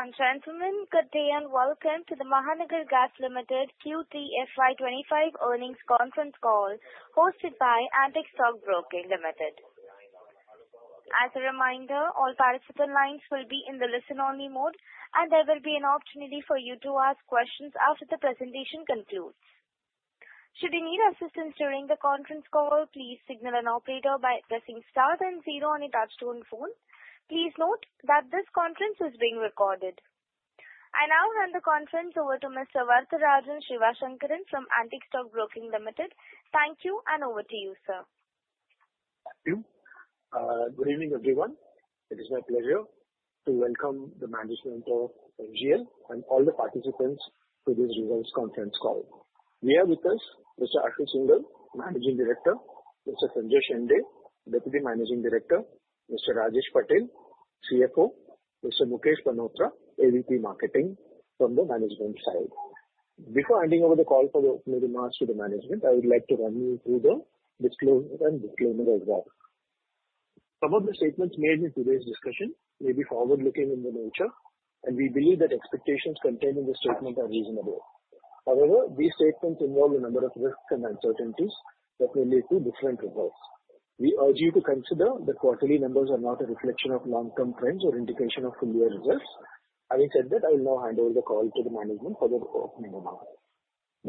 Ladies and gentlemen, good day and welcome to the Mahanagar Gas Ltd Q3 FY 2025 earnings conference call, hosted by Antique Stock Broking Ltd. As a reminder, all participant lines will be in the listen-only mode, and there will be an opportunity for you to ask questions after the presentation concludes. Should you need assistance during the conference call, please signal an operator by pressing star then zero on a touch-tone phone. Please note that this conference is being recorded. I now hand the conference over to Mr. Varatharajan Sivasankaran from Antique Stock Broking Ltd. Thank you, and over to you, sir. Thank you. Good evening, everyone. It is my pleasure to welcome the management of MGL and all the participants to this results conference call. We have with us Mr. Ashu Shinghal, Managing Director, Mr. Sanjay Shende, Deputy Managing Director, Mr. Rajesh Patel, CFO, Mr. Mukesh Panhotra, AVP Marketing from the management side. Before handing over the call for the opening remarks to the management, I would like to run you through the disclosure and disclaimer as well. Some of the statements made in today's discussion may be forward-looking in nature, and we believe that expectations contained in the statement are reasonable. However, these statements involve a number of risks and uncertainties that may lead to different results. We urge you to consider that quarterly numbers are not a reflection of long-term trends or indication of clear results. Having said that, I will now hand over the call to the management for the opening remarks.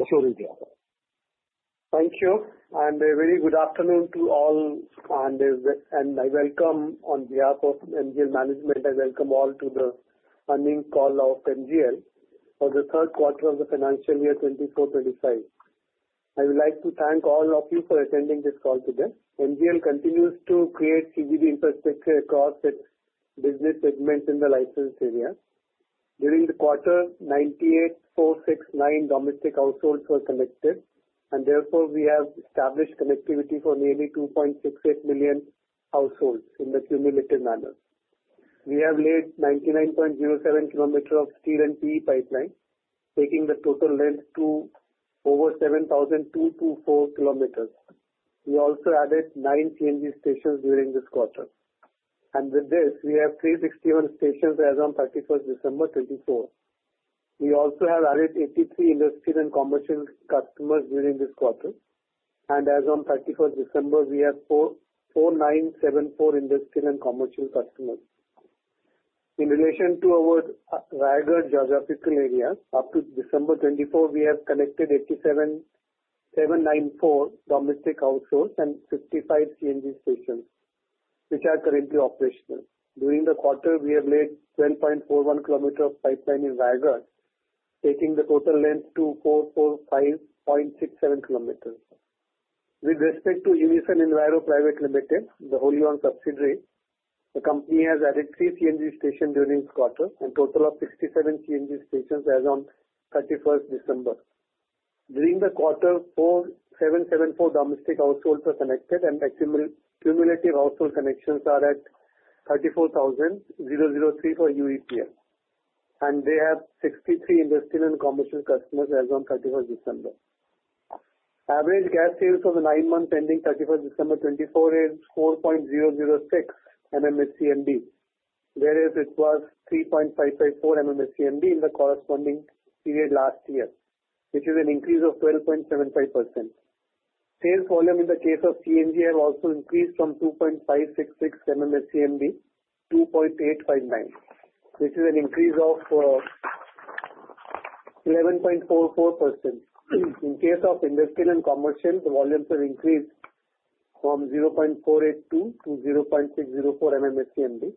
The floor is yours. Thank you, and a very good afternoon to all. And I welcome, on behalf of MGL management, I welcome all to the earnings call of MGL for the third quarter of the financial year 2024, 2025. I would like to thank all of you for attending this call today. MGL continues to create CGD infrastructure across its business segments in the licensed area. During the quarter, 98,469 domestic households were connected, and therefore we have established connectivity for nearly 2.68 million households in a cumulative manner. We have laid 99.07 km of steel and PE pipeline, taking the total length to over 7,224 km. We also added nine CNG stations during this quarter. And with this, we have 361 stations as of 31st December 2024. We also have added 83 Industrial and Commercial customers during this quarter. And as of 31st December 2024, we have 4,974 Industrial and Commercial customers. In relation to our Raigad geographical area, up to December 2024, we have connected 87,794 domestic households and 55 CNG stations, which are currently operational. During the quarter, we have laid 12.41 km of pipeline in Raigad, taking the total length to 445.67 km. With respect to Unison Enviro Pvt Ltd, the wholly owned subsidiary, the company has added three CNG stations during this quarter, a total of 67 CNG stations as of 31st December. During the quarter, 4,774 domestic households were connected, and cumulative household connections are at 34,000,003 for UEPL, and they have 63 Industrial and Commercial customers as of 31st December. Average gas sales for the nine months ending 31st December 2024 is 4.006 MMSCMD, whereas it was 3.554 MMSCMD in the corresponding period last year, which is an increase of 12.75%. Sales volume in the case of CNG have also increased from 2.566 MMSCMD to 2.859 MMSCMD, which is an increase of 11.44%. In case of Industrial and Commercial, the volumes have increased from 0.482 MMSCMD to 0.604 MMSCMD,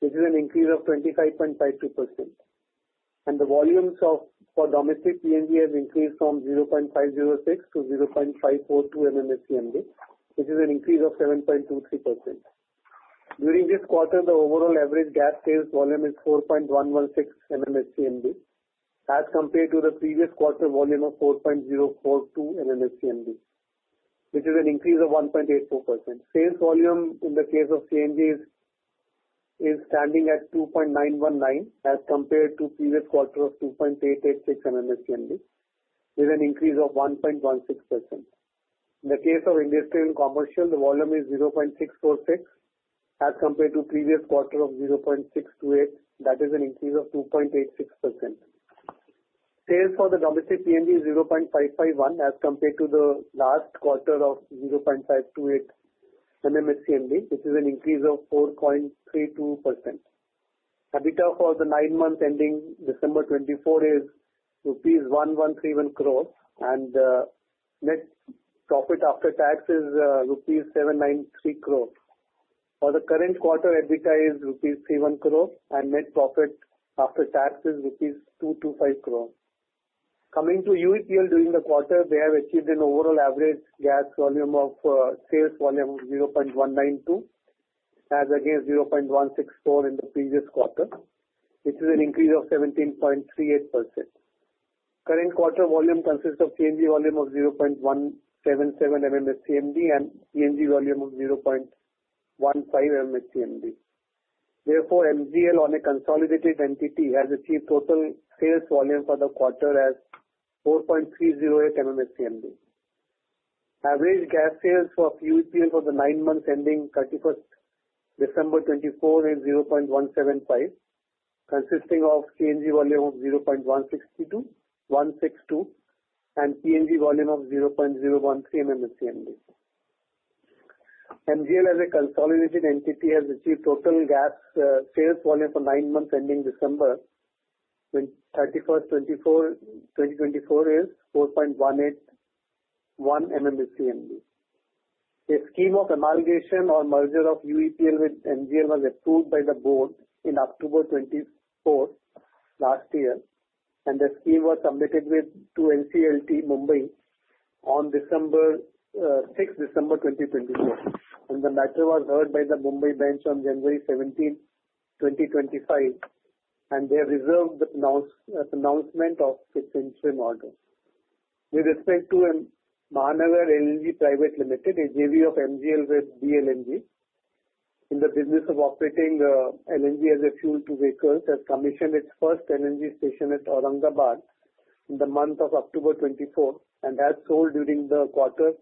which is an increase of 25.52%, and the volumes for domestic CNG have increased from 0.506 MMSCMD to 0.542 MMSCMD, which is an increase of 7.23%. During this quarter, the overall average gas sales volume is 4.116 MMSCMD, as compared to the previous quarter volume of 4.042 MMSCMD, which is an increase of 1.84%. Sales volume in the case of CNG is standing at 2.919 MMSCMD, as compared to the previous quarter of 2.886 MMSCMD, with an increase of 1.16%. In the case of Industrial and Commercial, the volume is 0.646 MMSCMD, as compared to the previous quarter of 0.628 MMSCMD. That is an increase of 2.86%. Sales for the domestic PNG is 0.551, as compared to the last quarter of 0.528 MMSCMD, which is an increase of 4.32%. EBITDA for the nine months ending December 2024 is rupees 1,131 crore, and net profit after tax is rupees 793 crore. For the current quarter, EBITDA is rupees 31 crore, and net profit after tax is rupees 225 crore. Coming to UEPL during the quarter, they have achieved an overall average gas volume of sales volume of 0.192 MMSCMD, as against 0.164 MMSCMD in the previous quarter, which is an increase of 17.38%. Current quarter volume consists of CNG volume of 0.177 MMSCMD and PNG volume of 0.015 MMSCMD. Therefore, MGL, on a consolidated entity, has achieved total sales volume for the quarter as 4.308 MMSCMD. Average gas sales for UEPL for the nine months ending 31st December 2024 is 0.175 MMSCMD, consisting of CNG volume of 0.162 MMSCMD, and PNG volume of 0.013 MMSCMD. MGL, as a consolidated entity, has achieved total gas sales volume for nine months ending December 31st, 2024, of 4.181 MMSCMD. The scheme of amalgamation or merger of UEPL with MGL was approved by the Board in October 2024 last year, and the scheme was submitted to NCLT Mumbai on 6th December 2024. The matter was heard by the Mumbai bench on January 17th, 2025, and they have reserved the pronouncement of its interim order. With respect to Mahanagar LNG Pvt Ltd, a JV of MGL with BLNG in the business of operating LNG as a fuel-to-vehicle, has commissioned its first LNG station at Aurangabad in the month of October 2024 and has sold during the quarter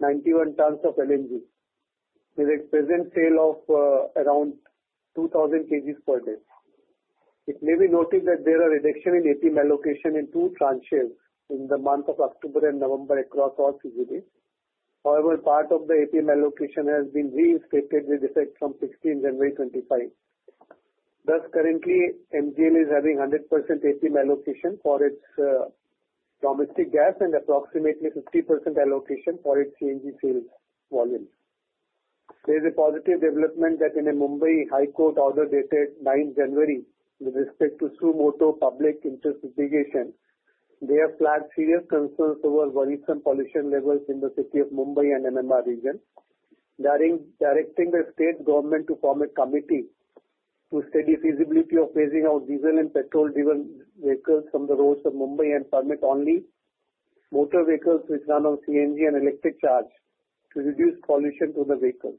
91 tons of LNG, with its present sale of around 2,000 kg per day. It may be noted that there is a reduction in APM allocation in two tranches in the month of October and November across all CGDs. However, part of the APM allocation has been reinstated with effect from 16th January 2025. Thus, currently, MGL is having 100% APM allocation for its domestic gas and approximately 50% allocation for its CNG sales volume. There is a positive development that in a Mumbai High Court order dated 9th January, with respect to Suo Motu Public Interest Litigation, they have flagged serious concerns over worrisome pollution levels in the city of Mumbai and MMR region, directing the state government to form a committee to study feasibility of phasing out diesel and petrol-driven vehicles from the roads of Mumbai and permit only motor vehicles which run on CNG and electric vehicles to reduce pollution from the vehicles.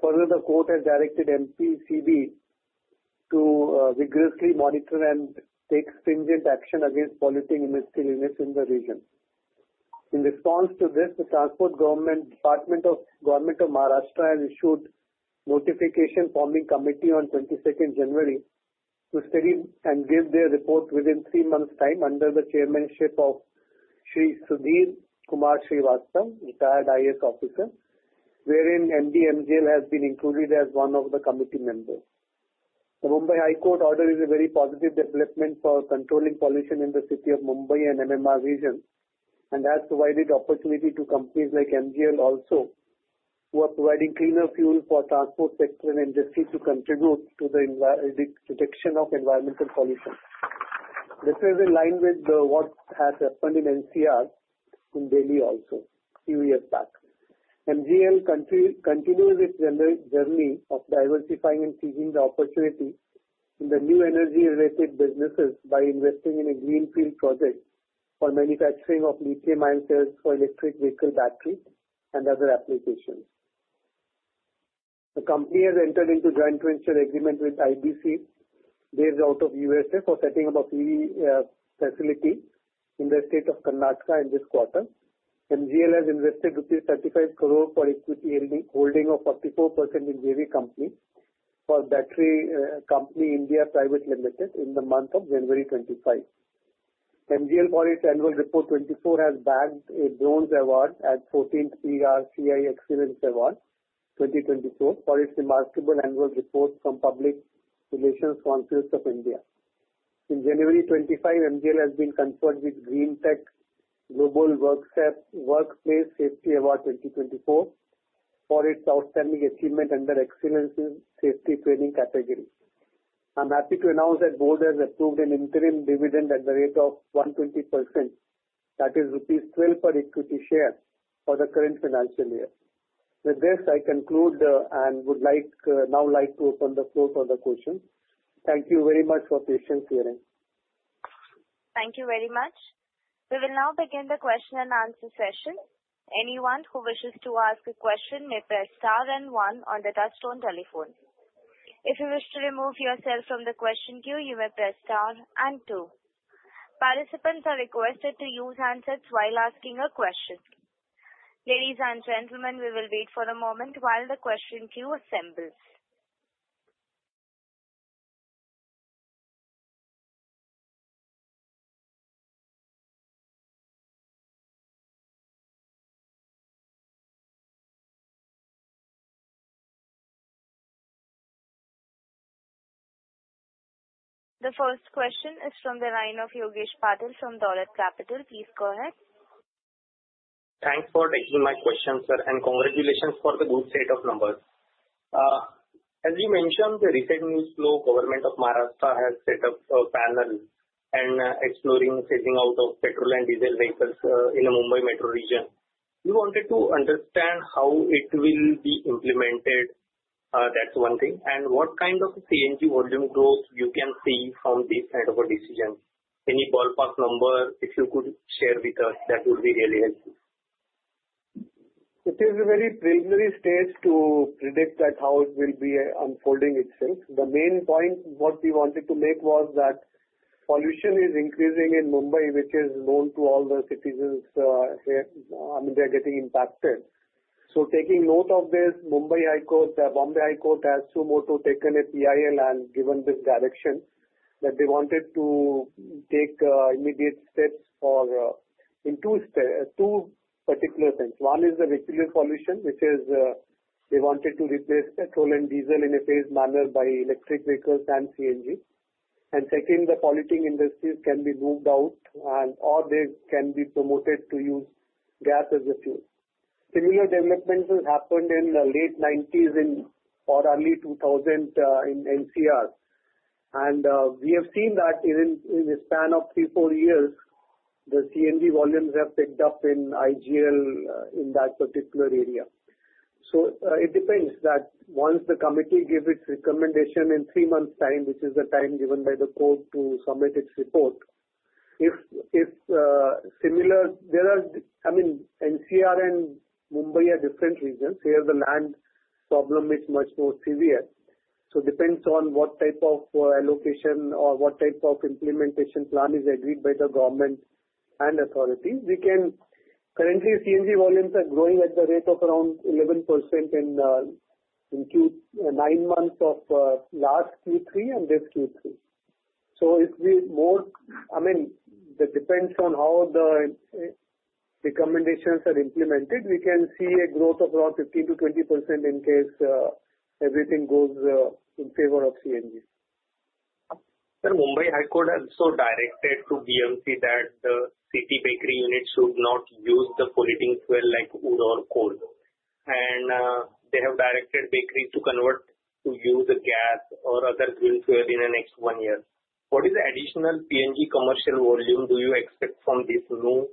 Further, the court has directed MPCB to vigorously monitor and take stringent action against polluting industrial units in the region. In response to this, the Transport Department of Maharashtra has issued a notification forming committee on 22nd January to study and give their report within three months' time under the chairmanship of Sri Sudhir Kumar Srivastava, retired IAS officer, wherein MD MGL has been included as one of the committee members. The Mumbai High Court order is a very positive development for controlling pollution in the city of Mumbai and MMR region and has provided opportunity to companies like MGL also, who are providing cleaner fuel for the transport sector and industry to contribute to the reduction of environmental pollution. This is in line with what has happened in NCR in Delhi also a few years back. MGL continues its journey of diversifying and seizing the opportunity in the new energy-related businesses by investing in a greenfield project for manufacturing of lithium-ion cells for electric vehicle batteries and other applications. The company has entered into a joint venture agreement with IBC, based out of U.S.A., for setting up an EV facility in the state of Karnataka in this quarter. MGL has invested INR 35 crore for equity holding of 44% in JV company International Battery Company India Private Limited in the month of January 2025. MGL, for its annual report 2024, has bagged a bronze award at 14th PRCI Excellence Award 2024 for its remarkable annual report from Public Relations Council of India. In January 2025, MGL has been conferred with GreenTech Global Workplace Safety Award 2024 for its outstanding achievement under Excellence Safety Training category. I'm happy to announce that the board has approved an interim dividend at the rate of 120%, that is rupees 12 crore per equity share for the current financial year. With this, I conclude and would now like to open the floor for the questions. Thank you very much for patience here. Thank you very much. We will now begin the question-and-answer session. Anyone who wishes to ask a question may press star and one on the touch-tone telephone. If you wish to remove yourself from the question queue, you may press star and two. Participants are requested to use handsets while asking a question. Ladies and gentlemen, we will wait for a moment while the question queue assembles. The first question is from the line of Yogesh Patil from Dolat Capital. Please go ahead. Thanks for taking my question, sir, and congratulations for the good set of numbers. As you mentioned, the recent news flow, the government of Maharashtra has set up a panel on exploring phasing out of petrol and diesel vehicles in the Mumbai metro region. We wanted to understand how it will be implemented. That's one thing. And what kind of CNG volume growth you can see from this kind of a decision? Any ballpark number, if you could share with us, that would be really helpful. It is a very preliminary stage to predict how it will be unfolding itself. The main point what we wanted to make was that pollution is increasing in Mumbai, which is known to all the citizens here. I mean, they're getting impacted. So taking note of this, Mumbai High Court, Bombay High Court has Suo Motu taken a PIL and given this direction that they wanted to take immediate steps for two particular things. One is the vehicular pollution, which is they wanted to replace petrol and diesel in a phased manner by electric vehicles and CNG. And second, the polluting industries can be moved out, and/or they can be promoted to use gas as a fuel. Similar developments have happened in the late 1990s or early 2000s in NCR. We have seen that in the span of three, four years, the CNG volumes have picked up in IGL in that particular area. It depends that once the committee gives its recommendation in three months' time, which is the time given by the court to submit its report, if similar there are, I mean, NCR and Mumbai are different regions. Here, the land problem is much more severe. It depends on what type of allocation or what type of implementation plan is agreed by the government and authority. Currently, CNG volumes are growing at the rate of around 11% in nine months of last Q3 and this Q3. If we more, I mean, it depends on how the recommendations are implemented. We can see a growth of around 15%-20% in case everything goes in favor of CNG. Sir, Mumbai High Court has also directed to BMC that the city bakery unit should not use the polluting fuel like oil or coal. And they have directed bakeries to convert to use a gas or other green fuel in the next one year. What is the additional PNG Commercial volume do you expect from this move?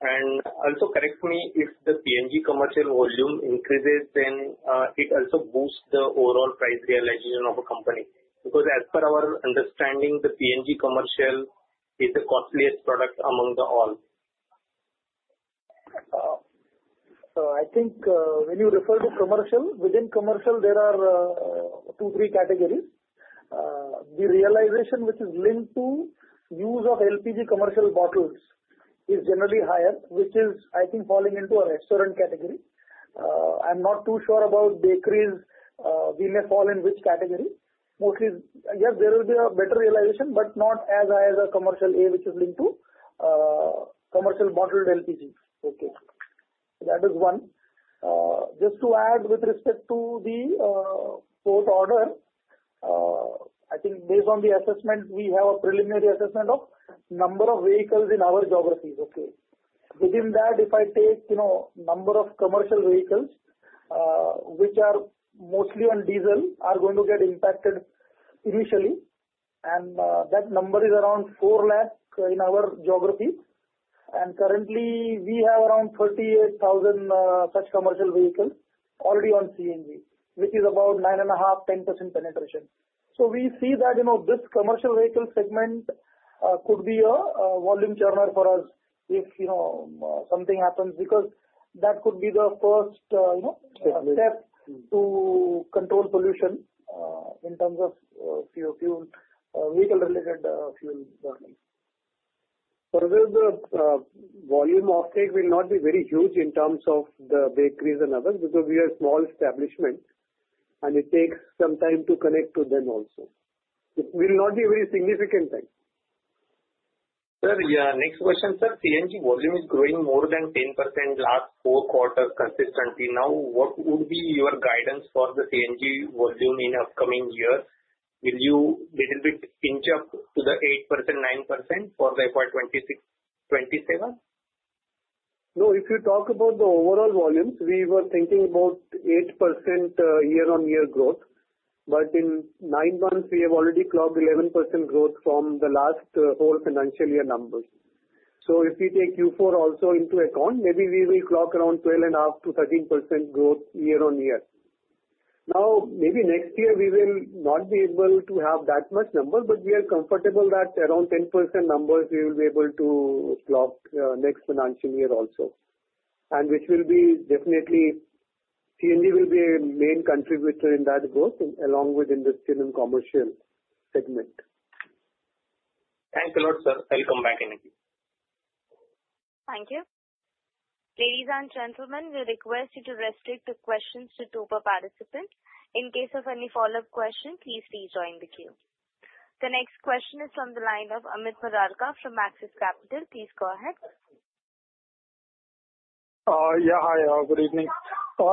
And also, correct me if the PNG Commercial volume increases, then it also boosts the overall price realization of a company. Because as per our understanding, the PNG Commercial is the costliest product among the all. So, I think when you refer to Commercial, within Commercial, there are two, three categories. The realization, which is linked to use of LPG commercial bottles, is generally higher, which is, I think, falling into a restaurant category. I'm not too sure about bakeries. We may fall in which category. Mostly, yes, there will be a better realization, but not as high as a commercial A, which is linked to commercial bottled LPG. Okay. That is one. Just to add with respect to the court order, I think based on the assessment, we have a preliminary assessment of the number of vehicles in our geographies. Okay. Within that, if I take the number of commercial vehicles, which are mostly on diesel, are going to get impacted initially, and that number is around 4 lakh in our geography. Currently, we have around 38,000 such commercial vehicles already on CNG, which is about 9.5%, 10% penetration. We see that this Commercial Vehicle segment could be a volume churner for us if something happens because that could be the first step to control pollution in terms of fuel vehicle-related fuel. So the volume offtake will not be very huge in terms of the bakeries and others because we are a small establishment, and it takes some time to connect to them also. It will not be a very significant thing. Sir, next question, sir. CNG volume is growing more than 10% last four quarters consistently. Now, what would be your guidance for the CNG volume in the upcoming year? Will you a little bit inch up to the 8%, 9% for the FY 2026, 2027? No, if you talk about the overall volumes, we were thinking about 8% year-on-year growth. But in nine months, we have already clocked 11% growth from the last whole financial year numbers. So if we take Q4 also into account, maybe we will clock around 12.5%, 13% growth year-on-year. Now, maybe next year, we will not be able to have that much number, but we are comfortable that around 10% numbers, we will be able to clock next financial year also and which will be definitely CNG will be a main contributor in that growth along with Industrial and Commercial segment. Thanks a lot, sir. I'll come back in a bit. Thank you. Ladies and gentlemen, we request you to restrict the questions to two participants. In case of any follow-up question, please rejoin the queue. The next question is from the line of Amit Murarka from Axis Capital. Please go ahead. Yeah, hi. Good evening.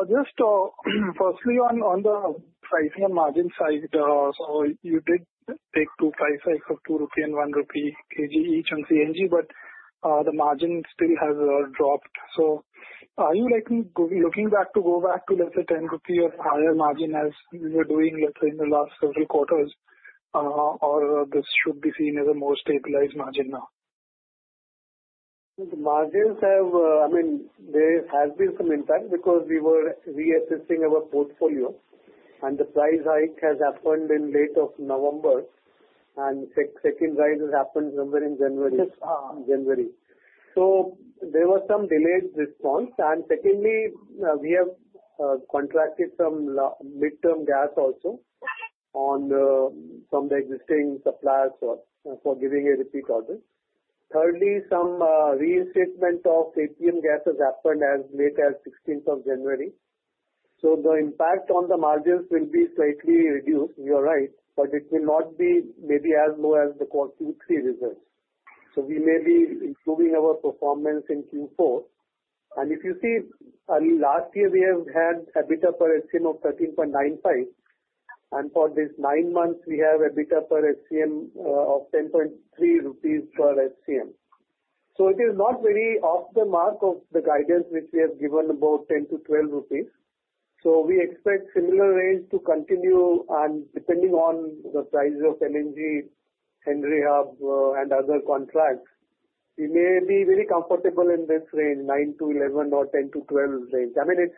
Just firstly, on the pricing and margin side, so you did take two price hikes of 2 crore rupee and 1 crore rupee kg each on CNG, but the margin still has dropped. So are you looking back to go back to, let's say, 10 crore rupees or higher margin as we were doing, let's say, in the last several quarters, or this should be seen as a more stabilized margin now? The margins have, I mean, there has been some impact because we were reassessing our portfolio, and the price hike has happened in late November, and the second rise has happened somewhere in January. Yes. January, so there was some delayed response, and secondly, we have contracted some midterm gas also from the existing suppliers for giving a repeat order. Thirdly, some reinstatement of LNG has happened as late as 16th of January, so the impact on the margins will be slightly reduced, you're right, but it will not be maybe as low as the Q3 results, so we may be improving our performance in Q4, and if you see, last year, we have had EBITDA per SCM of 13.95 crore, and for these nine months, we have EBITDA per SCM of 10.3 rupees per SCM, so it is not very off the mark of the guidance which we have given about 10 crore-12 crore rupees, so we expect similar range to continue. Depending on the size of LNG, Henry Hub, and other contracts, we may be very comfortable in this range, 9%-11% or 10%-12% range. I mean,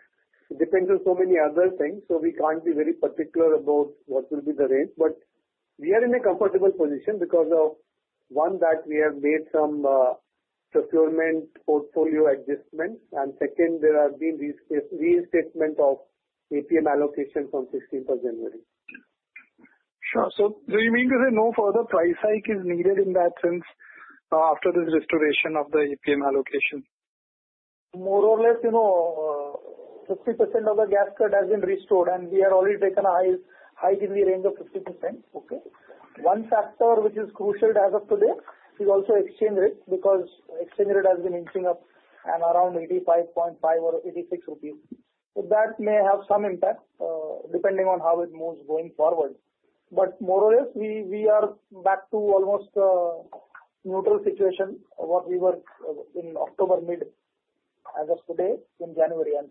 it depends on so many other things, so we can't be very particular about what will be the range. We are in a comfortable position because of, one, that we have made some procurement portfolio adjustments. Second, there has been reinstatement of APM allocation from 16th of January. Sure. So do you mean to say no further price hike is needed in that sense after this restoration of the APM allocation? More or less, 50% of the gas cost has been restored, and we have already taken a hike in the range of 50%. Okay. One factor which is crucial as of today is also exchange rate because exchange rate has been inching up and around 85.5 crore or 86 crore rupees. So that may have some impact depending on how it moves going forward. But more or less, we are back to almost neutral situation of what we were in mid-October as of today in January, I'm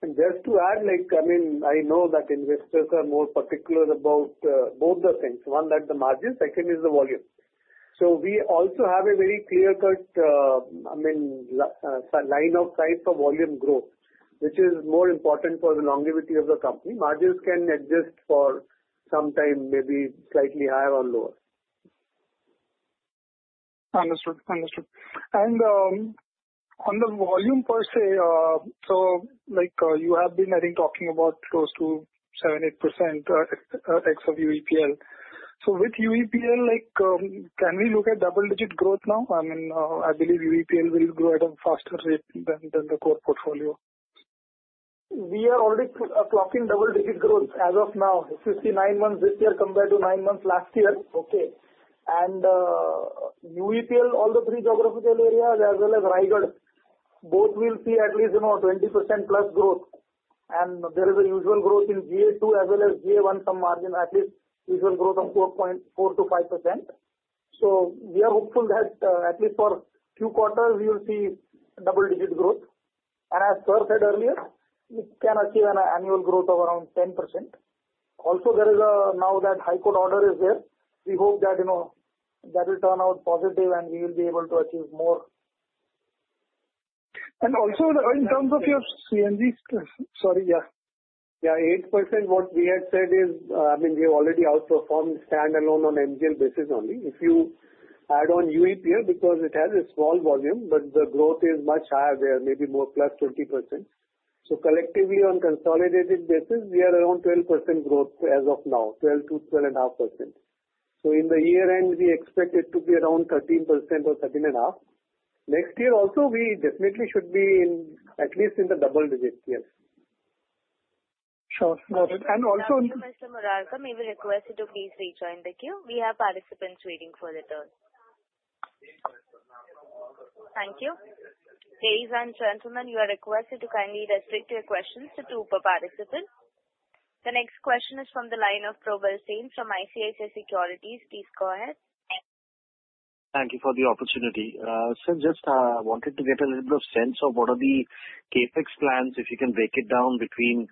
saying. Just to add, I mean, I know that investors are more particular about both the things. One, that the margin. Second is the volume. So we also have a very clear-cut, I mean, line of sight for volume growth, which is more important for the longevity of the company. Margins can adjust for some time, maybe slightly higher or lower. Understood. And on the volume per se, so you have been, I think, talking about close to 7%, 8% ex of UEPL. So with UEPL, can we look at double-digit growth now? I mean, I believe UEPL will grow at a faster rate than the core portfolio. We are already clocking double-digit growth as of now. If you see nine months this year compared to nine months last year, okay. UEPL, all the three geographical areas, as well as Raigad, both will see at least 20%+ growth. There is a usual growth in GA2, as well as GA1, some margin, at least usual growth of 4%-5%. We are hopeful that at least for a few quarters, we will see double-digit growth. As sir said earlier, we can achieve an annual growth of around 10%. Also, there is now that high court order. We hope that that will turn out positive, and we will be able to achieve more. And also, in terms of your CNG, sorry, yeah. Yeah, 8%. What we had said is, I mean, we have already outperformed standalone on MGL basis only. If you add on UEPL because it has a small volume, but the growth is much higher there, maybe more +20%. So collectively, on consolidated basis, we are around 12% growth as of now, 12% to 12.5%. So in the year end, we expect it to be around 13% or 13.5%. Next year also, we definitely should be at least in the double digit here. Sure. Got it. And also. Mr. Murarka, may we request you to please rejoin the queue? We have participants waiting for the turn. Thank you. Ladies and gentlemen, we are requested to kindly restrict your questions to two participants. The next question is from the line of Probal Sen from ICICI Securities. Please go ahead. Thank you for the opportunity. Sir, just wanted to get a little bit of sense of what are the CapEx plans, if you can break it down between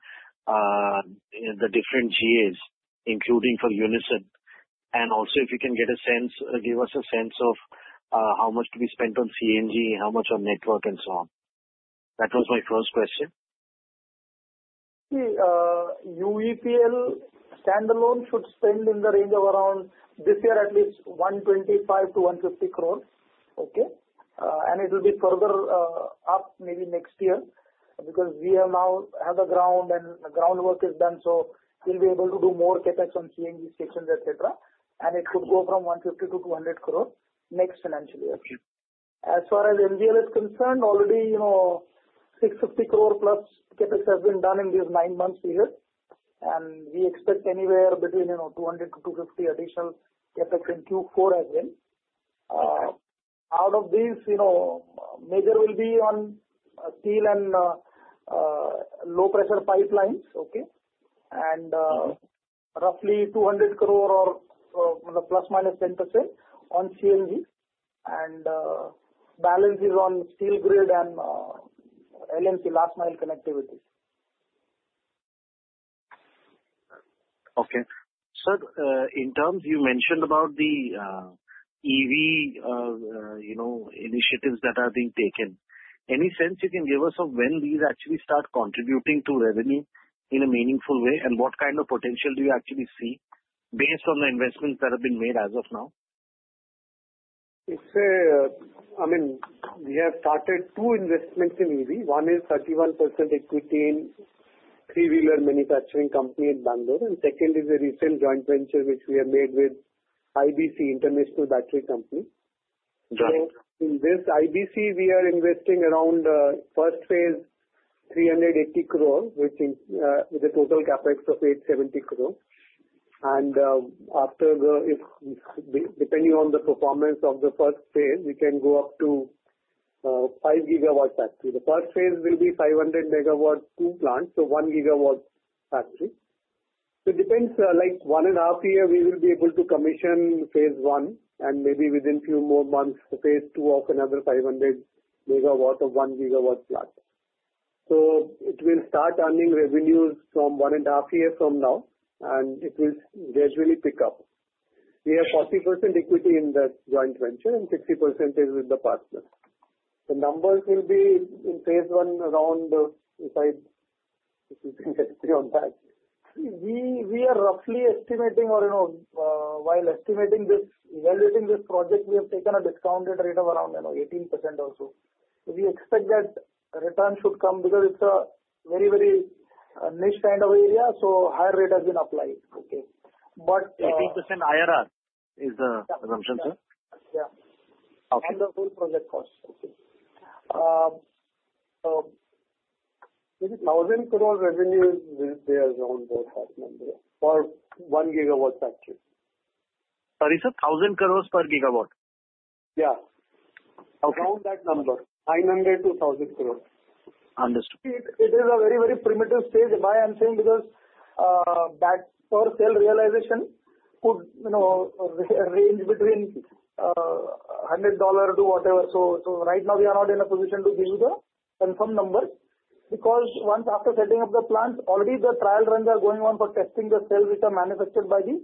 the different GAs, including for Unison? And also, if you can get a sense, give us a sense of how much to be spent on CNG, how much on network, and so on. That was my first question. See, UEPL standalone should spend in the range of around INR 125 crore- INR 150 crore this year, at least. Okay, and it will be further up maybe next year because we have now broken ground, and the groundwork is done. So we'll be able to do more CapEx on CNG stations, etc. And it could go from 150 crore- 200 crore next financial year. As far as MGL is concerned, already 650 crore+ CapEx has been done in these nine months here. And we expect anywhere between 200 crore-250 crore additional CapEx in Q4 as well. Out of these, major will be on steel and low-pressure pipelines. Okay, and roughly 200 crore or ±10% on CNG. And balance is on steel grid and LNG last mile connectivity. Okay. Sir, in terms you mentioned about the EV initiatives that are being taken, any sense you can give us of when these actually start contributing to revenue in a meaningful way, and what kind of potential do you actually see based on the investments that have been made as of now? I mean, we have started two investments in EV. One is 31% equity in three-wheeler manufacturing company in Bangalore. And second is a retail joint venture which we have made with IBC, International Battery Company. So in this IBC, we are investing around first phase 380 crore, with a total CapEx of 870 crore. And after the, depending on the performance of the first phase, we can go up to 5 GW factory. The first phase will be 500 MW two plants, so 1 GW factory. So it depends. Like one and a half year, we will be able to commission phase one, and maybe within a few more months, phase two of another 500 MW or 1 GW plant. So it will start earning revenues from one and a half years from now, and it will gradually pick up. We have 40% equity in the joint venture, and 60% is with the partners. The numbers will be in phase one around, if I can get you on that. We are roughly estimating, or while estimating this, evaluating this project, we have taken a discounted rate of around 18% also. We expect that return should come because it's a very, very niche kind of area, so higher rate has been applied. Okay. But. 18% IRR is the assumption, sir? The whole project cost. Okay. 1,000 crore revenue is there around for 1 GW factory. Sorry, sir? 1,000 crores per gigawatt? Yeah. Around that number, 900 crore-1,000 crore. Understood. It is a very, very primitive stage. Why I'm saying? Because that per sale realization could range between $100 to whatever. So right now, we are not in a position to give you the confirmed number because once after setting up the plants, already the trial runs are going on for testing the cells which are manufactured by the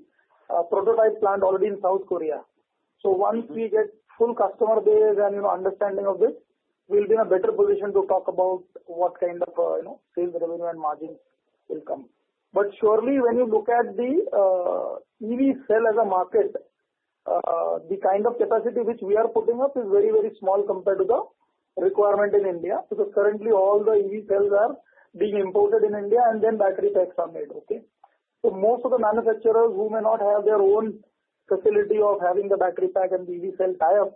prototype plant already in South Korea. So once we get full customer base and understanding of this, we'll be in a better position to talk about what kind of sales revenue and margin will come. But surely, when you look at the EV cell as a market, the kind of capacity which we are putting up is very, very small compared to the requirement in India. Because currently, all the EV cells are being imported in India, and then battery packs are made. Okay. So most of the manufacturers who may not have their own facility of having the battery pack and the EV cell tier,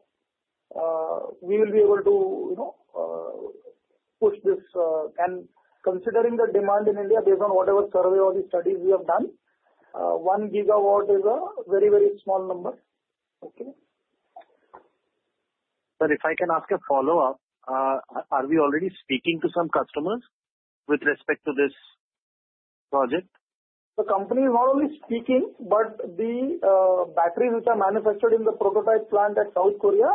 we will be able to push this. And considering the demand in India, based on whatever survey or the studies we have done, 1 GW is a very, very small number. Okay. Sir, if I can ask a follow-up, are we already speaking to some customers with respect to this project? The company is not only speaking, but the batteries which are manufactured in the prototype plant at South Korea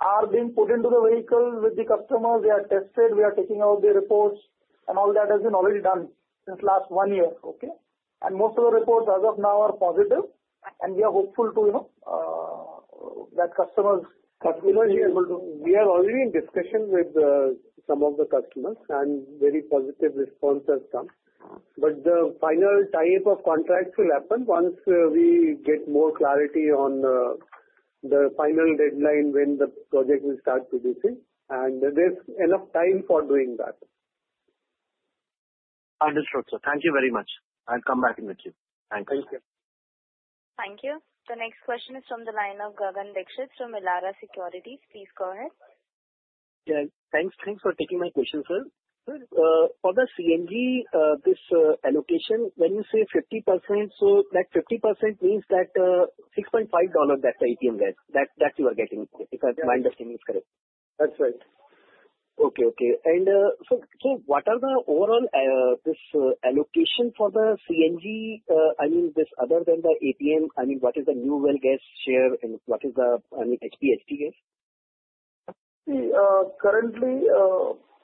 are being put into the vehicle with the customers. They are tested. We are taking out the reports, and all that has been already done since last one year. Okay. And most of the reports as of now are positive, and we are hopeful that customers. We are already in discussion with some of the customers, and very positive responses have come. But the final type of contracts will happen once we get more clarity on the final deadline when the project will start producing. And there's enough time for doing that. Understood, sir. Thank you very much. I'll come back in the queue. Thank you. Thank you. Thank you. The next question is from the line of Gagan Dixit from Elara Securities. Please go ahead. Thanks for taking my question, sir. For the CNG, this allocation, when you say 50%, so that 50% means that $6.5 that the APM gas, that you are getting. If my understanding is correct? That's right. Okay. And so what are the overall allocation for the CNG? I mean, this other than the APM, I mean, what is the new well gas share? And what is the, I mean, HPHT gas? See, currently,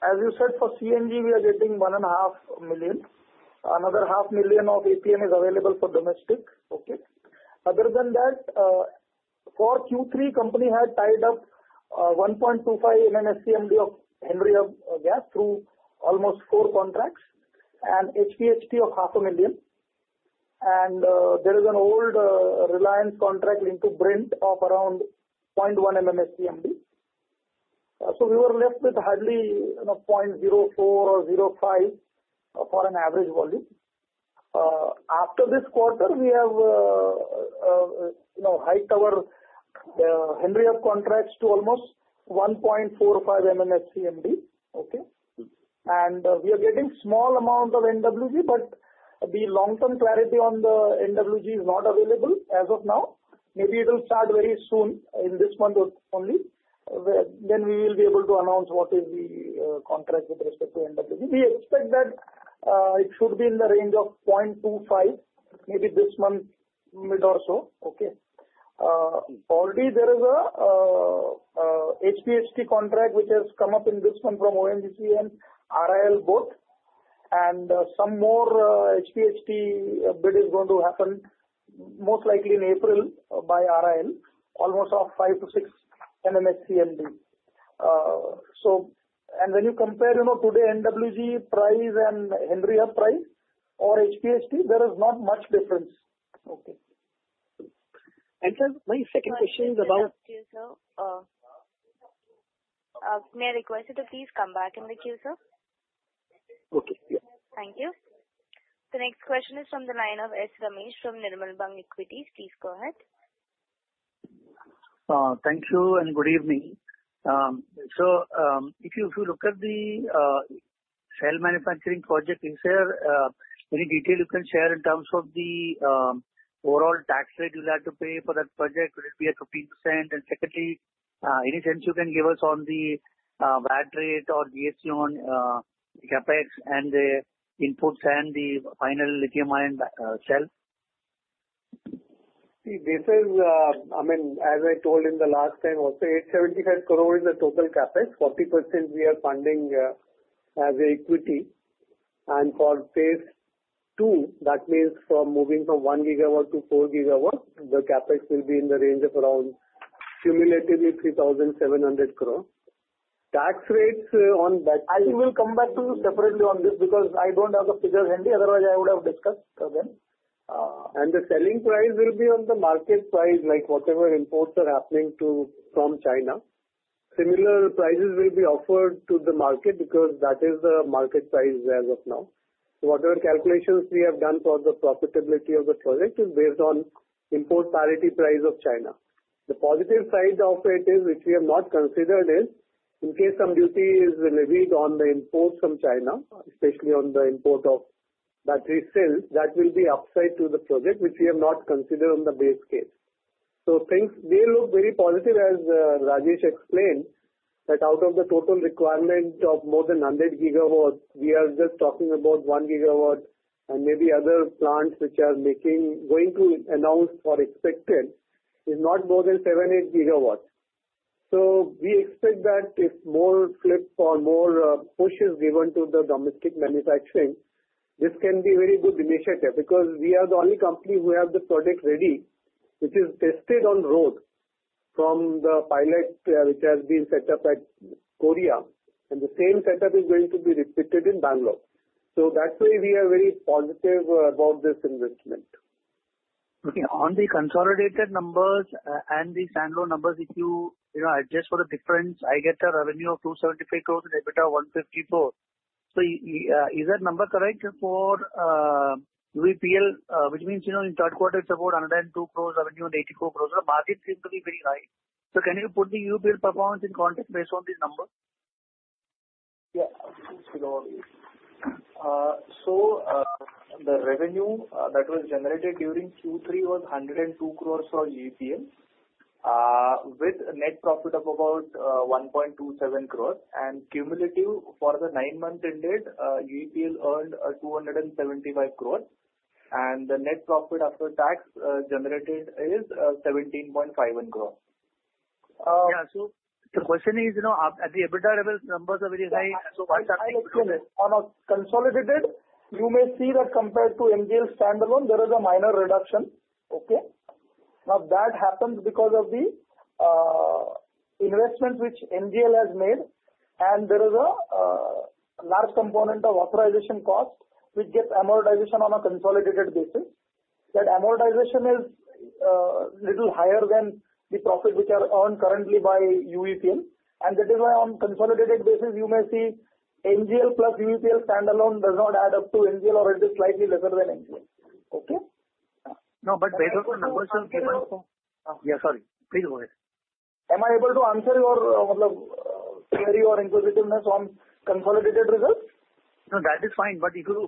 as you said, for CNG, we are getting 1.5 million. Another 0.5 million of APM is available for domestic. Okay. Other than that, for Q3, company had tied up 1.25 MMSCMD of Henry Hub gas through almost four contracts and HPHT of 0.5 million. And there is an old Reliance contract into Brent of around 0.1 MMSCMD. So we were left with hardly 0.04 MMSCMD or 0.5 MMSCMD for an average volume. After this quarter, we have hiked our Henry Hub contracts to almost 1.45 MMSCMD. Okay. And we are getting small amount of NWG, but the long-term clarity on the NWG is not available as of now. Maybe it will start very soon in this month only. Then we will be able to announce what is the contract with respect to NWG. We expect that it should be in the range of 0.25 MMSCMD, maybe this month mid or so. Okay. Already, there is a HPHT contract which has come up in this month from ONGC and RIL both. And some more HPHT bid is going to happen most likely in April by RIL, almost of 5 MMSCMD-6 MMSCMD. And when you compare today NWG price and Henry Hub price or HPHT, there is not much difference. Okay. Sir, my second question is about. May I request you to please come back in the queue, sir? Okay. Yeah. Thank you. The next question is from the line of S. Ramesh from Nirmal Bang Equities. Please go ahead. Thank you and good evening. If you look at the cell manufacturing project this year, any detail you can share in terms of the overall tax rate you'll have to pay for that project? Will it be at 15%? And secondly, any sense you can give us on the VAT rate or GST on CapEx and the inputs and the final lithium-ion cell? See, this is, I mean, as I told in the last time, also 875 crore is the total CapEx. 40% we are funding as equity. And for phase two, that means from moving from 1 GW to 4 GW, the CapEx will be in the range of around cumulatively 3,700 crore. Tax rates on that. I will come back to you separately on this because I don't have the figures handy. Otherwise, I would have discussed them. The selling price will be on the market price, like whatever imports are happening from China. Similar prices will be offered to the market because that is the market price as of now. Whatever calculations we have done for the profitability of the project is based on import parity price of China. The positive side of it is which we have not considered is in case some duty is levied on the imports from China, especially on the import of battery cells, that will be upside to the project, which we have not considered on the base case. Things may look very positive as Rajesh explained that out of the total requirement of more than 100 GW we are just talking about 1 GW and maybe other plants which are going to announce or expected is not more than 7 GW, 8 GW. So we expect that if more fillip or more push is given to the domestic manufacturing, this can be a very good initiative because we are the only company who has the project ready, which is tested on road from the pilot which has been set up at Korea. And the same setup is going to be repeated in Bangalore. So that's why we are very positive about this investment. Okay. On the consolidated numbers and the standalone numbers, if you adjust for the difference, I get a revenue of 275 crore to the EBITDA of 154 crore. So is that number correct for UEPL, which means in third quarter, it's about 102 crore revenue and 84 crore? The market seems to be very high. So can you put the UEPL performance in context based on these numbers? Yeah. Absolutely. So the revenue that was generated during Q3 was 102 crores for UEPL with net profit of about 1.27 crore. And cumulative for the nine months ended, UEPL earned 275 crore. And the net profit after tax generated is 17.51 crore. Yeah. So the question is, at the EBITDA level, numbers are very high. So on a consolidated, you may see that compared to MGL standalone, there is a minor reduction. Okay. Now, that happens because of the investments which MGL has made. And there is a large component of authorization cost which gets amortization on a consolidated basis. That amortization is a little higher than the profit which are earned currently by UEPL. And that is why on consolidated basis, you may see MGL plus UEPL standalone does not add up to MGL, or it is slightly lesser than MGL. Okay. No, but based on the numbers Yeah. Sorry. Please go ahead. Am I able to answer your query or inquisitiveness on consolidated results? No, that is fine. But if you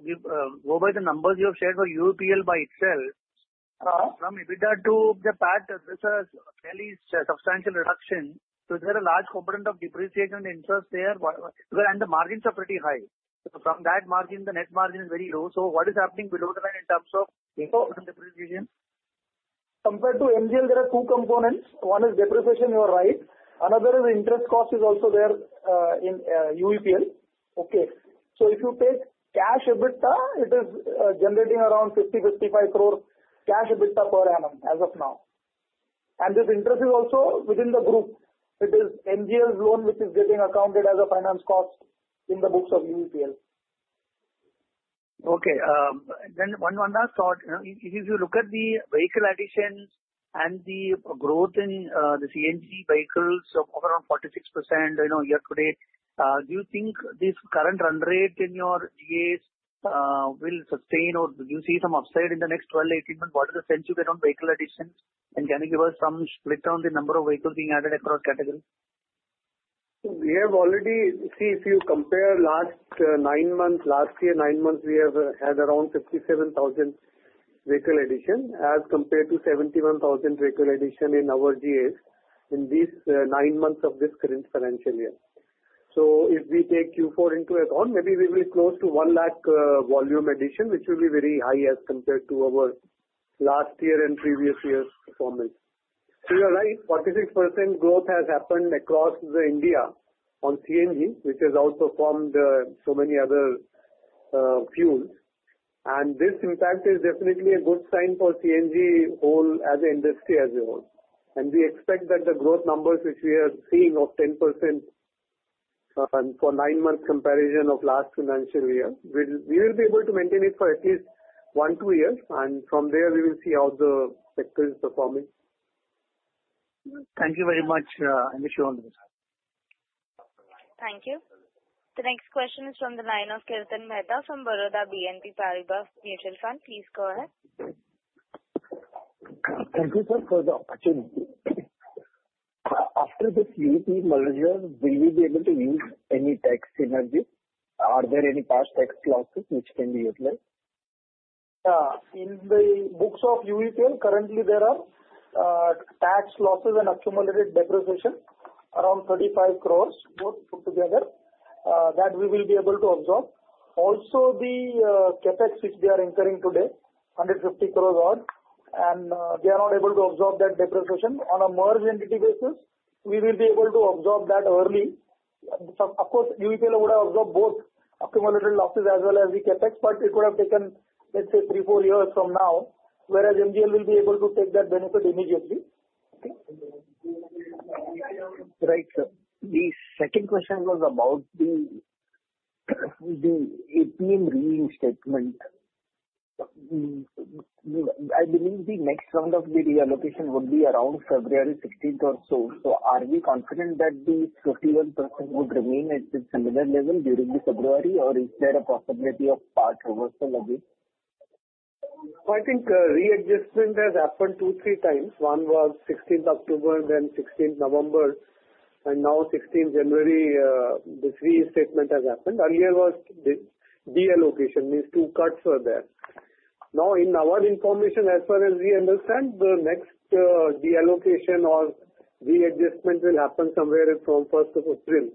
go by the numbers you have shared for UEPL by itself, from EBITDA to the PAT, there's a fairly substantial reduction. So there is a large component of depreciation interest there because the margins are pretty high. So from that margin, the net margin is very low. So what is happening below the line in terms of depreciation? Compared to MGL, there are two components. One is depreciation, you are right. Another is interest cost is also there in UEPL. Okay. So if you take cash EBITDA, it is generating around 50 crore-55 crore cash EBITDA per annum as of now. And this interest is also within the group. It is MGL's loan which is getting accounted as a finance cost in the books of UEPL. Okay. Then one last thought. If you look at the vehicle additions and the growth in the CNG vehicles of around 46% year-to-date, do you think this current run rate in your GAs will sustain, or do you see some upside in the next 12-18 months? What are the sense you get on vehicle additions? And can you give us some split on the number of vehicles being added across categories? We have already, see, if you compare last nine months, last year, nine months, we have had around 57,000 vehicle additions as compared to 71,000 vehicle additions in our GAs in these nine months of this current financial year, so if we take Q4 into account, maybe we will close to 1 lakh volume addition, which will be very high as compared to our last year and previous year's performance, so you are right. 46% growth has happened across India on CNG, which has outperformed so many other fuels, and this impact is definitely a good sign for CNG whole as an industry as a whole, and we expect that the growth numbers which we are seeing of 10% for nine months comparison of last financial year, we will be able to maintain it for at least one, two years. From there, we will see how the sector is performing. Thank you very much. I wish you all the best. Thank you. The next question is from the line of Kirtan Mehta from Baroda BNP Paribas Mutual Fund. Please go ahead. Thank you, sir, for the opportunity. After this UEPL merger, will we be able to use any tax synergies? Are there any past tax losses which can be utilized? In the books of UEPL, currently, there are tax losses and accumulated depreciation around 350 million crore put together that we will be able to absorb. Also, the CapEx which we are incurring today, 1.5 billion crore odd, and they are not able to absorb that depreciation. On a merged entity basis, we will be able to absorb that early. Of course, UEPL would have absorbed both accumulated losses as well as the CapEx, but it would have taken, let's say, three, four years from now, whereas MGL will be able to take that benefit immediately. Right, sir. The second question was about the APM reinstatement. I believe the next round of the reallocation would be around February 16th or so. So are we confident that the 51% would remain at the similar level during the February, or is there a possibility of part reversal again? So I think readjustment has happened two, three times. One was 16th October, then 16th November, and now 16th January. This readjustment has happened. Earlier was deallocation, means two cuts were there. Now, in our information, as far as we understand, the next deallocation or readjustment will happen somewhere from 1st of April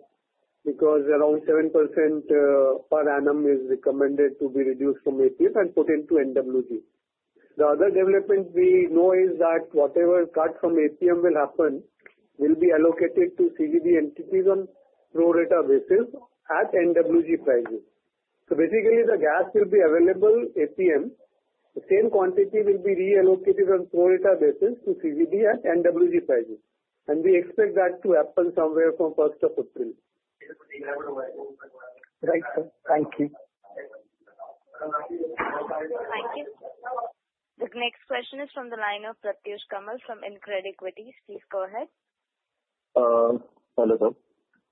because around 7% per annum is recommended to be reduced from APM and put into NWG. The other development we know is that whatever cut from APM will happen will be allocated to CGD entities on prorata basis at NWG prices. So basically, the gas will be available APM. The same quantity will be reallocated on prorata basis to CGD at NWG prices. And we expect that to happen somewhere from 1st of April. Right. Thank you. Thank you. The next question is from the line of Pratyush Kamal from InCred Equities. Please go ahead. Hello, sir.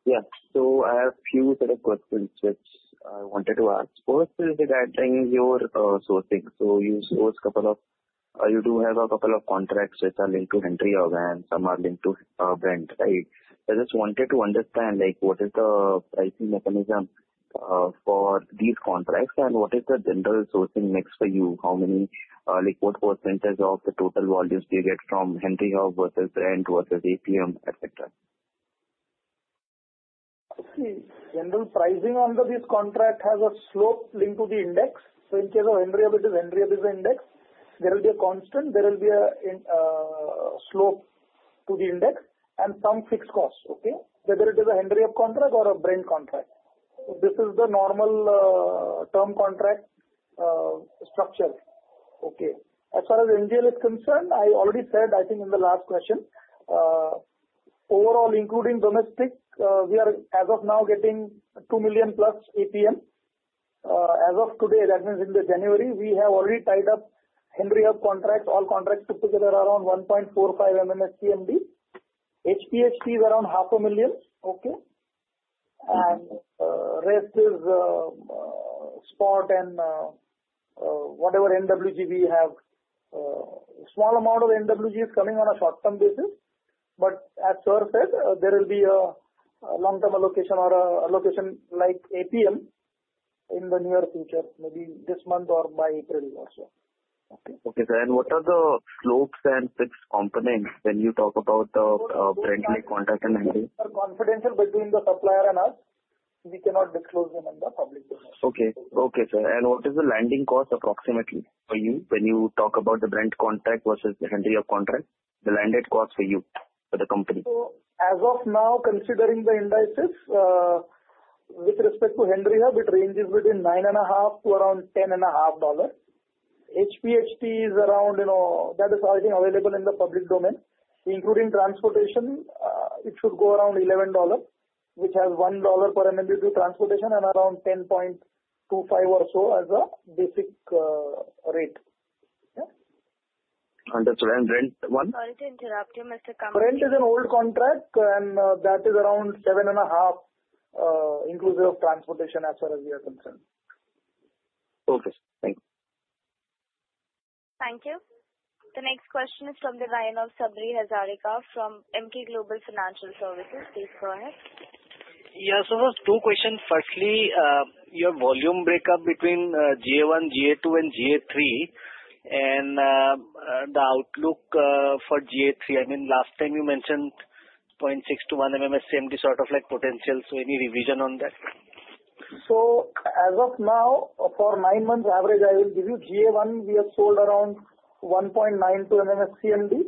Yeah. So I have a few set of questions which I wanted to ask. First is regarding your sourcing. So you do have a couple of contracts which are linked to Henry Hub and some are linked to Brent, right? I just wanted to understand what is the pricing mechanism for these contracts and what is the general sourcing mix for you? What percentage of the total volumes do you get from Henry Hub versus Brent versus APM, etc.? See, general pricing under this contract has a slope linked to the index. So in case of Henry Hub, it is Henry Hub is the index. There will be a constant. There will be a slope to the index and some fixed cost, okay, whether it is a Henry Hub contract or a Brent contract. So this is the normal term contract structure. Okay. As far as NGL is concerned, I already said, I think in the last question, overall, including domestic, we are as of now getting 2 million+ MMSCMD. As of today, that means in January, we have already tied up Henry Hub contracts, all contracts put together around 1.45 MMSCMD. HPHT is around 0.5 million, okay? And rest is spot and whatever NWG we have. Small amount of NWG is coming on a short-term basis. But as sir said, there will be a long-term allocation or allocation like APM in the near future, maybe this month or by April also. Okay. And what are the slopes and fixed components when you talk about Brent contract and Henry Hub? Confidential between the supplier and us. We cannot disclose them in the public domain. Okay. Okay, sir, and what is the landed cost approximately for you when you talk about the Brent contract versus the Henry Hub contract, the landed cost for you, for the company? So as of now, considering the indices, with respect to Henry Hub, it ranges between $9.5-$10.5. HPHT is around that is, I think, available in the public domain. Including transportation, it should go around $11, which has $1 per MMBTU transportation and around $10.25 or so as a basic rate. Understood. And Brent one? Sorry to interrupt you, Mr. Kamal. Brent is an old contract, and that is around 7.5 inclusive of transportation as far as we are concerned. Okay. Thank you. Thank you. The next question is from the line of Sabri Hazarika from Emkay Global Financial Services. Please go ahead. Yes, sir. Two questions. Firstly, your volume breakup between GA1, GA2, and GA3, and the outlook for GA3. I mean, last time you mentioned 0.6 to 1 MMSCMD sort of like potential. So any revision on that? So as of now, for nine months average, I will give you GA1, we have sold around 1.92 MMSCMD.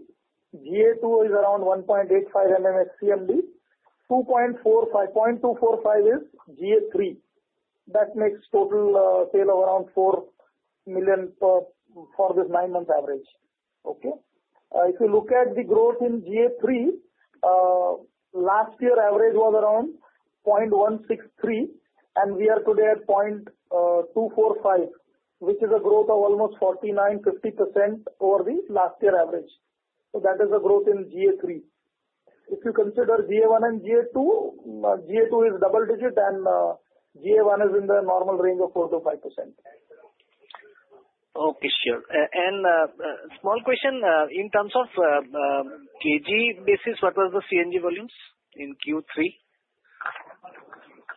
GA2 is around 1.85 MMSCMD. 2.245 is GA3. That makes total sale of around 4 million for this nine months average. Okay. If you look at the growth in GA3, last year average was around 0.163, and we are today at 0.245, which is a growth of almost 49%-50% over the last year average. So that is the growth in GA3. If you consider GA1 and GA2, GA2 is double-digit and GA1 is in the normal range of 4%-5%. Okay, sure and small question, in terms of kg basis, what was the CNG volumes in Q3?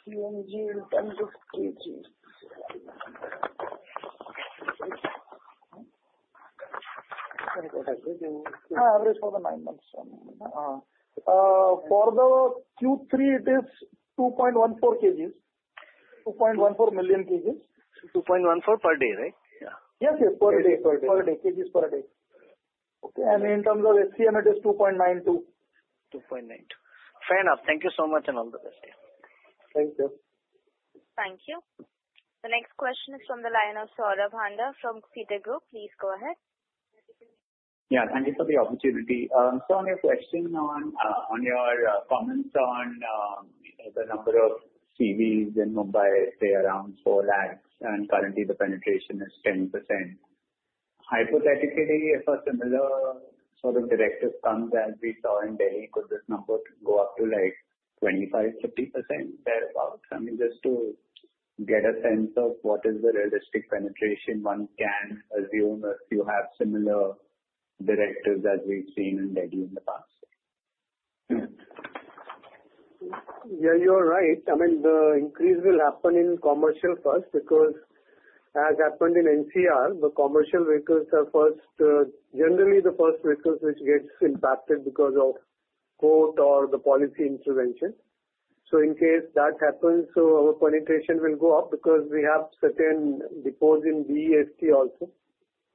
CNG in terms of KG. Average for the nine months. For the Q3, it is 2.14 Kgs. 2.14 million Kgs. 2.14 per day, right? Yes, yes. Per day. Per day. KGs per day. Okay. And in terms of SCM, it is 2.92. 2.92. Fair enough. Thank you so much and all the best. Thank you. Thank you. The next question is from the line of Saurabh Handa from Citigroup. Please go ahead. Yeah. Thank you for the opportunity. So on your question on your comments on the number of CVs in Mumbai, say around 4 lakhs, and currently the penetration is 10%. Hypothetically, if a similar sort of directive comes as we saw in Delhi, could this number go up to like 25%-50% thereabouts? I mean, just to get a sense of what is the realistic penetration one can assume if you have similar directives as we've seen in Delhi in the past. Yeah, you are right. I mean, the increase will happen in commercial first because as happened in NCR, the commercial vehicles are first generally the first vehicles which gets impacted because of court or the policy intervention. So in case that happens, our penetration will go up because we have certain depots in BEST also,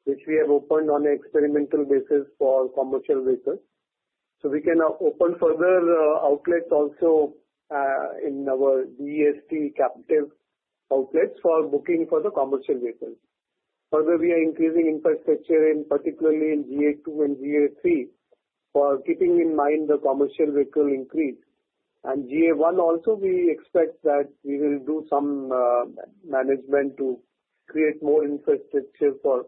which we have opened on an experimental basis for commercial vehicles. So we can open further outlets also in our BEST captive outlets for booking for the commercial vehicles. Further, we are increasing infrastructure, particularly in GA2 and GA3, keeping in mind the commercial vehicle increase. And GA1 also, we expect that we will do some management to create more infrastructure for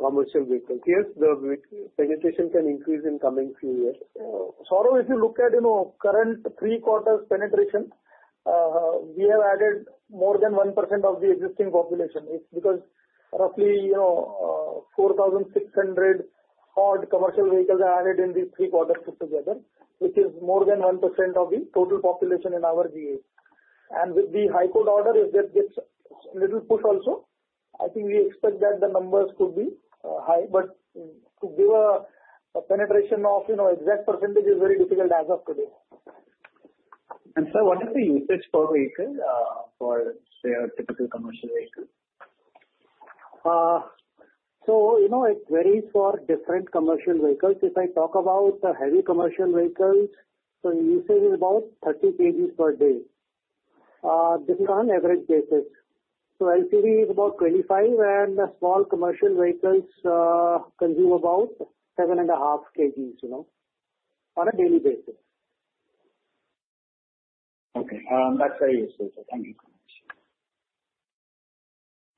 commercial vehicles. Yes, the penetration can increase in coming few years. Saurabh, if you look at current three-quarters penetration, we have added more than 1% of the existing population. It's because roughly 4,600 odd commercial vehicles are added in these three quarters put together, which is more than 1% of the total population in our GA, and with the high court order, if that gets a little push also, I think we expect that the numbers could be high, but to give a penetration of exact percentage is very difficult as of today. Sir, what is the usage per vehicle for, say, a typical commercial vehicle? It varies for different commercial vehicles. If I talk about the heavy commercial vehicles, so usage is about 30 kg per day. This is on an average basis. LCV is about 25, and small commercial vehicles consume about 7.5 kg on a daily basis. Okay. That's very useful. Thank you so much.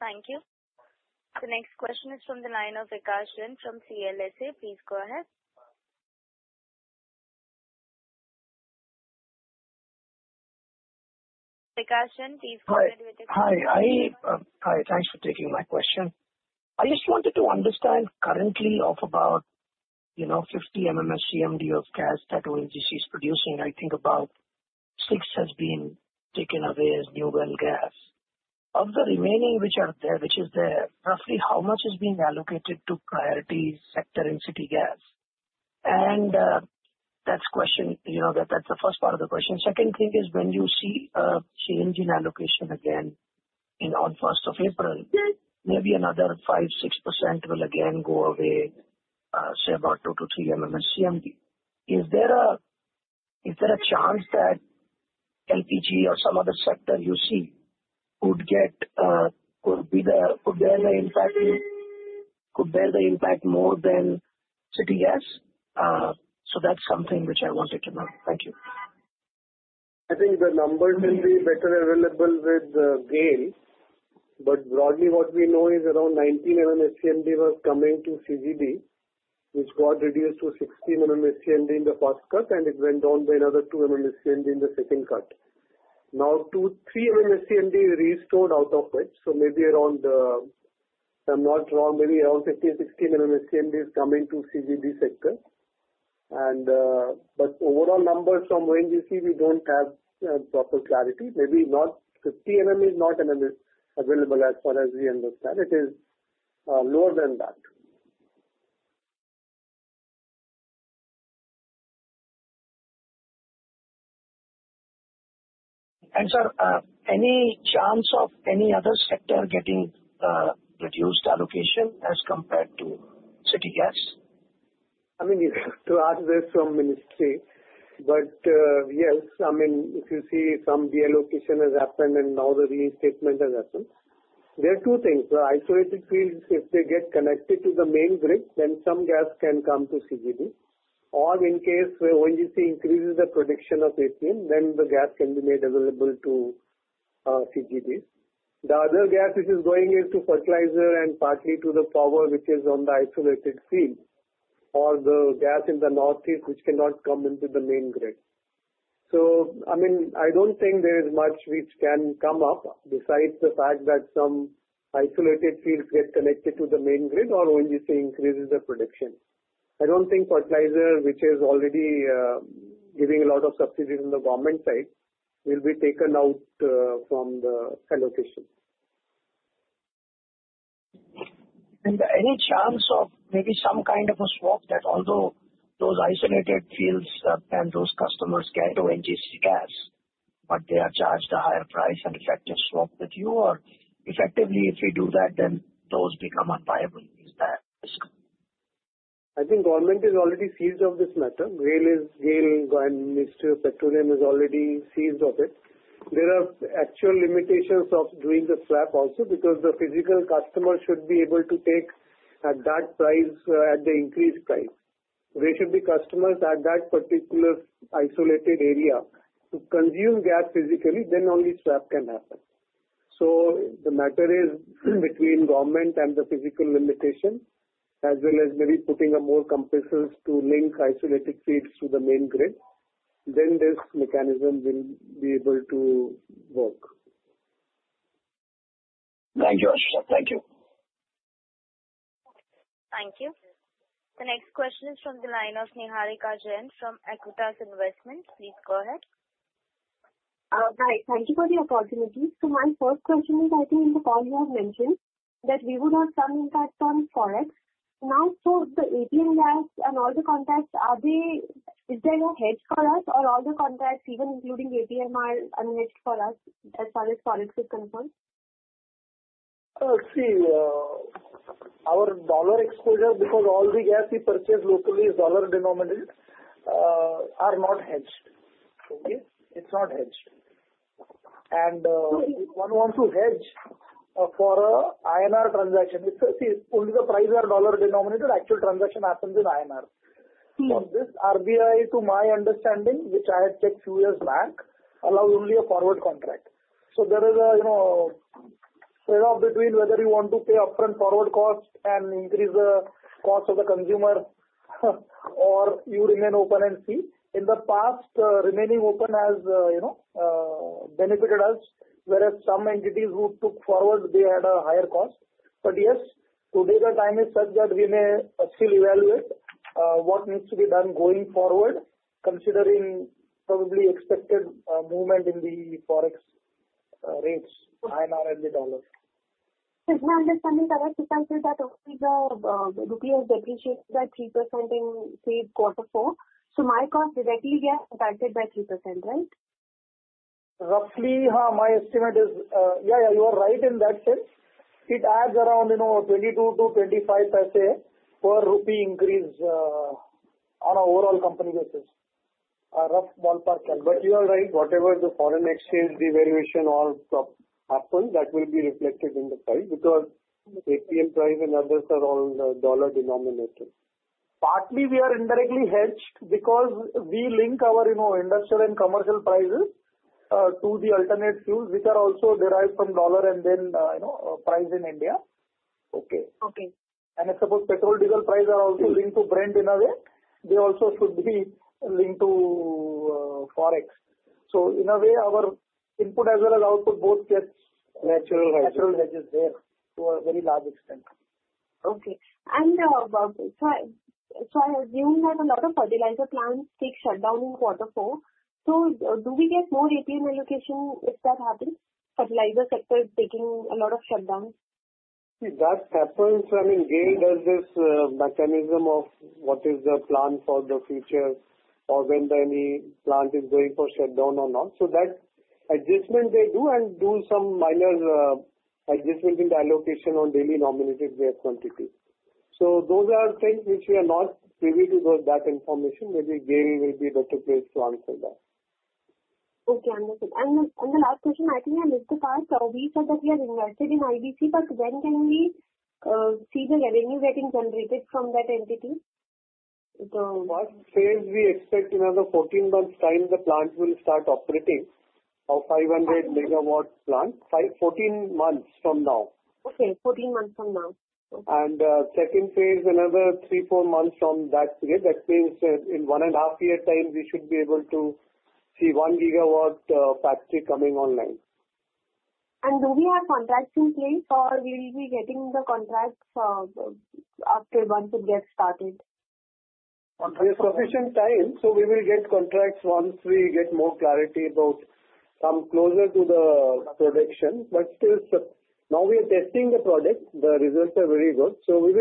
Thank you. The next question is from the line of Vikas Jain from CLSA. Please go ahead. Vikas Jain, please go ahead with the question. Hi. Hi. Thanks for taking my question. I just wanted to understand currently of about 50 MMSCMD of gas that ONGC is producing. I think about six has been taken away as new well gas. Of the remaining which is there, roughly how much is being allocated to priority sector and city gas? And that's the first part of the question. Second thing is when you see a change in allocation again on 1st of April, maybe another 5-6% will again go away, say about 2-3 MMSCMD. Is there a chance that LPG or some other sector you see would bear the impact more than city gas? That's something which I wanted to know. Thank you. I think the numbers will be better available with GAIL. But broadly, what we know is around 19 MMSCMD was coming to CGD, which got reduced to 16 MMSCMD in the first cut, and it went down by another 2 MMSCMD in the second cut. Now, 2-3 MMSCMD restored out of it. So maybe around, if I'm not wrong, maybe around 15-16 MMSCMD is coming to CGD sector. But overall numbers from ONGC, we don't have proper clarity. Maybe 50 is not available as far as we understand. It is lower than that. Sir, any chance of any other sector getting reduced allocation as compared to city gas? I mean, to ask this from ministry, but yes, I mean, if you see some deallocation has happened and now the reinstatement has happened. There are two things. The isolated fields, if they get connected to the main grid, then some gas can come to CGD. Or in case ONGC increases the production of APM, then the gas can be made available to CGD. The other gas which is going is to fertilizer and partly to the power which is on the isolated field or the gas in the northeast which cannot come into the main grid. So I mean, I don't think there is much which can come up besides the fact that some isolated fields get connected to the main grid or ONGC increases the production. I don't think fertilizer, which is already giving a lot of subsidies on the government side, will be taken out from the allocation. And any chance of maybe some kind of a swap that although those isolated fields and those customers get ONGC gas, but they are charged a higher price and effective swap with you? Or effectively, if we do that, then those become unviable. Is that risk? I think government is already seized of this matter. GAIL and Ministry of Petroleum is already seized of it. There are actual limitations of doing the swap also because the physical customer should be able to take at that price, at the increased price. There should be customers at that particular isolated area to consume gas physically, then only swap can happen. So the matter is between government and the physical limitation, as well as maybe putting more compulsions to link isolated fields to the main grid, then this mechanism will be able to work. Thank you, Ashu. Thank you. Thank you. The next question is from the line of Niharika Jain from Aequitas Investments. Please go ahead. Hi. Thank you for the opportunity. So my first question is, I think in the call you have mentioned that we would have some impact on Forex. Now, so the Adani Gas and all the contracts, is there no hedge for us, or are all the contracts, even including Adani Gas, unhedged for us as far as Forex is concerned? See, our dollar exposure, because all the gas we purchase locally is dollar-denominated, are not hedged. Okay? It's not hedged. And if one wants to hedge for an INR transaction, see, only the prices are dollar-denominated. Actual transaction happens in INR. So this RBI, to my understanding, which I had checked a few years back, allows only a forward contract. So there is a trade-off between whether you want to pay upfront forward cost and increase the cost of the consumer, or you remain open and see. In the past, remaining open has benefited us, whereas some entities who took forward, they had a higher cost. But yes, today the time is such that we may still evaluate what needs to be done going forward, considering probably expected movement in the Forex rates, INR and the dollar. My understanding, Karan, it sounds like that rupee has depreciated by 3% in, say, quarter four. So my cost directly gets impacted by 3%, right? Roughly, my estimate is, you are right in that sense. It adds around 22-25 paise per Rupee increase on an overall company basis. A rough ballpark calculation. But you are right. Whatever the foreign exchange devaluation happens, that will be reflected in the price because APM price and others are all dollar-denominated. Partly, we are indirectly hedged because we link our Industrial and Commercial prices to the alternative fuels, which are also derived from dollars and then priced in India. Okay. I suppose petrol, diesel prices are also linked to Brent in a way. They also should be linked to Forex. So in a way, our input as well as output both gets. Natural hedges. Natural hedges there to a very large extent. Okay. And so I assume that a lot of fertilizer plants take shutdown in quarter four. So do we get more APM allocation if that happens? Fertilizer sector is taking a lot of shutdowns. See, that happens. I mean, GAIL does this mechanism of what is the plan for the future or when the plant is going for shutdown or not. So that adjustment they do and do some minor adjustment in the allocation on daily nominated gas quantity. So those are things which we are not privy to that information. Maybe GAIL will be the better place to answer that. Okay. Understood and the last question, I think I missed the part. We said that we are invested in IBC, but when can we see the revenue that is generated from that entity? What phase we expect in another 14 months' time the plant will start operating? A 500 MW plant? 14 months from now. Okay. 14 months from now. Second phase, another three, four months from that period. That means in one and a half year time, we should be able to see 1 GW factory coming online. Do we have contracts in place or will we be getting the contracts after once it gets started? There's sufficient time. So we will get contracts once we get more clarity about some closer to the production. But still, now we are testing the product. The results are very good. So we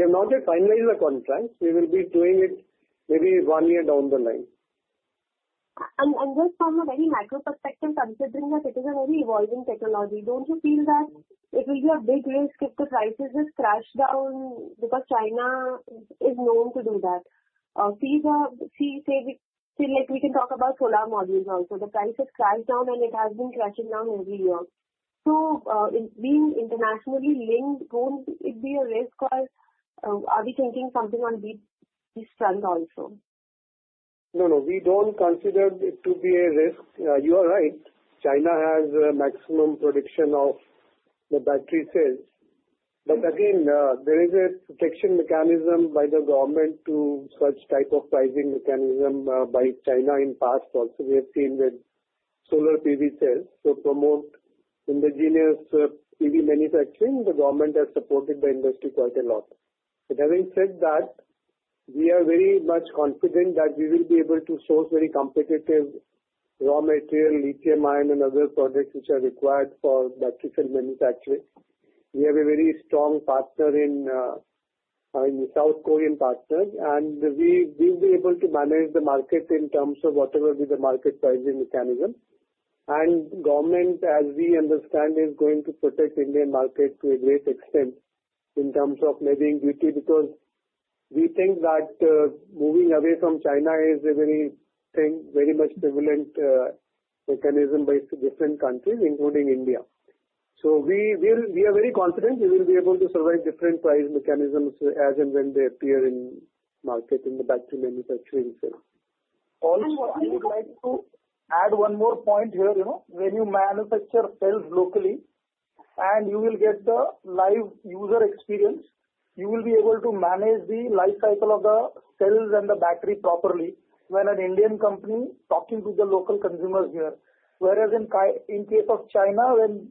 have not yet finalized the contracts. We will be doing it maybe one year down the line. And just from a very macro perspective, considering that it is a very evolving technology, don't you feel that it will be a big risk if the prices just crash down because China is known to do that? See, say we can talk about solar modules also. The prices crash down and it has been crashing down every year. So being internationally linked, won't it be a risk or are we thinking something on this front also? No, no. We don't consider it to be a risk. You are right. China has a maximum production of the battery sales. But again, there is a protection mechanism by the government to such type of pricing mechanism by China in past also. We have seen with solar PV cells to promote indigenous PV manufacturing. The government has supported the industry quite a lot. But having said that, we are very much confident that we will be able to source very competitive raw material, lithium ion, and other products which are required for battery cell manufacturing. We have a very strong partner in South Korean partners, and we'll be able to manage the market in terms of whatever be the market pricing mechanism. Government, as we understand, is going to protect the Indian market to a great extent in terms of levying duty because we think that moving away from China is a very much prevalent mechanism by different countries, including India. We are very confident we will be able to survive different price mechanisms as and when they appear in the market in the battery manufacturing field. Also, I would like to add one more point here. When you manufacture cells locally and you will get the live user experience, you will be able to manage the life cycle of the cells and the battery properly when an Indian company is talking to the local consumers here. Whereas in case of China, when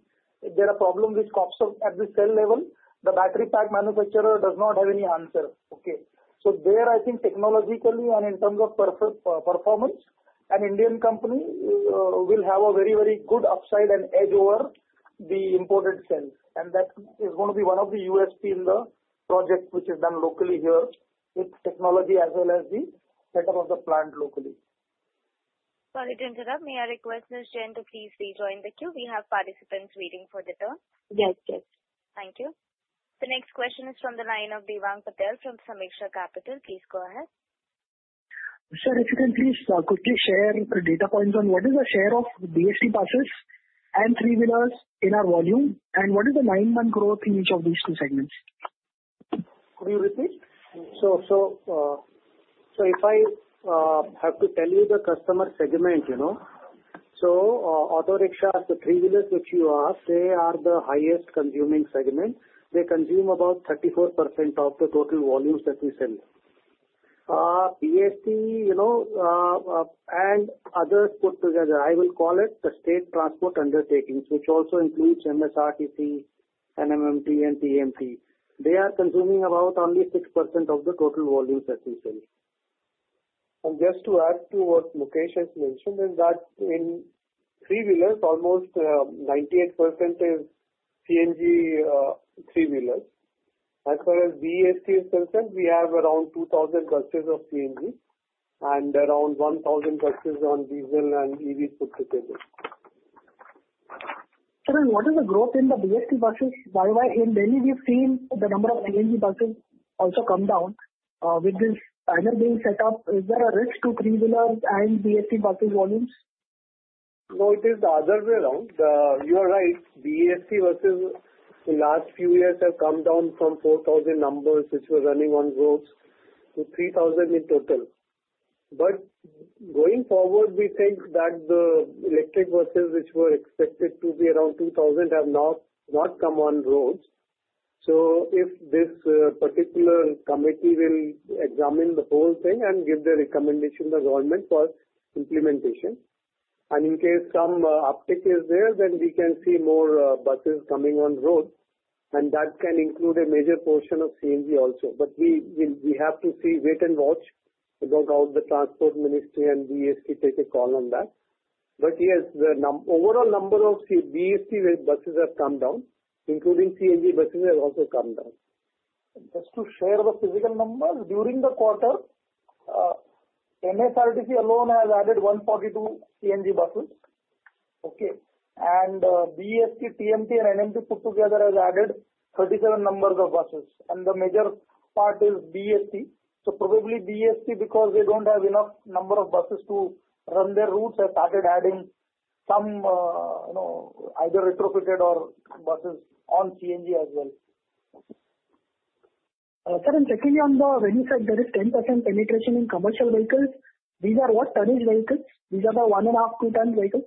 there are problems with cells at the cell level, the battery pack manufacturer does not have any answer. Okay. I think technologically and in terms of performance, an Indian company will have a very, very good upside and edge over the imported cells, and that is going to be one of the USP in the project which is done locally here with technology as well as the setup of the plant locally. Sorry to interrupt. May I request Ms. Jain to please rejoin the queue? We have participants waiting for the turn. Yes, yes. Thank you. The next question is from the line of Devang Patel from Sameeksha Capital. Please go ahead. Sir, if you can please quickly share the data points on what is the share of BEST buses and three-wheelers in our volume and what is the nine-month growth in each of these two segments? Could you repeat? So if I have to tell you the customer segment, so auto rickshaws, the three-wheelers which you asked, they are the highest consuming segment. They consume about 34% of the total volumes that we sell. BEST and others put together, I will call it the state transport undertakings, which also includes MSRTC, NMMT, and TMT. They are consuming about only 6% of the total volumes that we sell. Just to add to what Mukesh has mentioned is that in three-wheelers, almost 98% is CNG three-wheelers. As far as BEST is concerned, we have around 2,000 buses of CNG and around 1,000 buses on diesel and EVs put together. Karan, what is the growth in the BEST buses? In Delhi, we've seen the number of CNG buses also come down. With this panel being set up, is there a risk to three-wheelers and BEST buses' volumes? No, it is the other way around. You are right. BEST buses in the last few years have come down from 4,000 numbers, which were running on roads, to 3,000 in total, but going forward, we think that the electric buses which were expected to be around 2,000 have not come on roads. So if this particular committee will examine the whole thing and give the recommendation to the government for implementation, and in case some uptake is there, then we can see more buses coming on roads, and that can include a major portion of CNG also, but we have to wait and watch about how the Transport Ministry and BEST take a call on that, but yes, the overall number of BEST buses have come down, including CNG buses have also come down. Just to share the physical numbers, during the quarter, MSRTC alone has added 142 CNG buses. Okay. And BEST, TMT, and NMMT put together has added 37 numbers of buses. And the major part is BEST. So probably BEST, because they don't have enough number of buses to run their routes, have started adding some either retrofitted or buses on CNG as well. Karan, secondly, on the revenue side, there is 10% penetration in commercial vehicles. These are what? Tonnage vehicles? These are the one and a half, two-ton vehicles?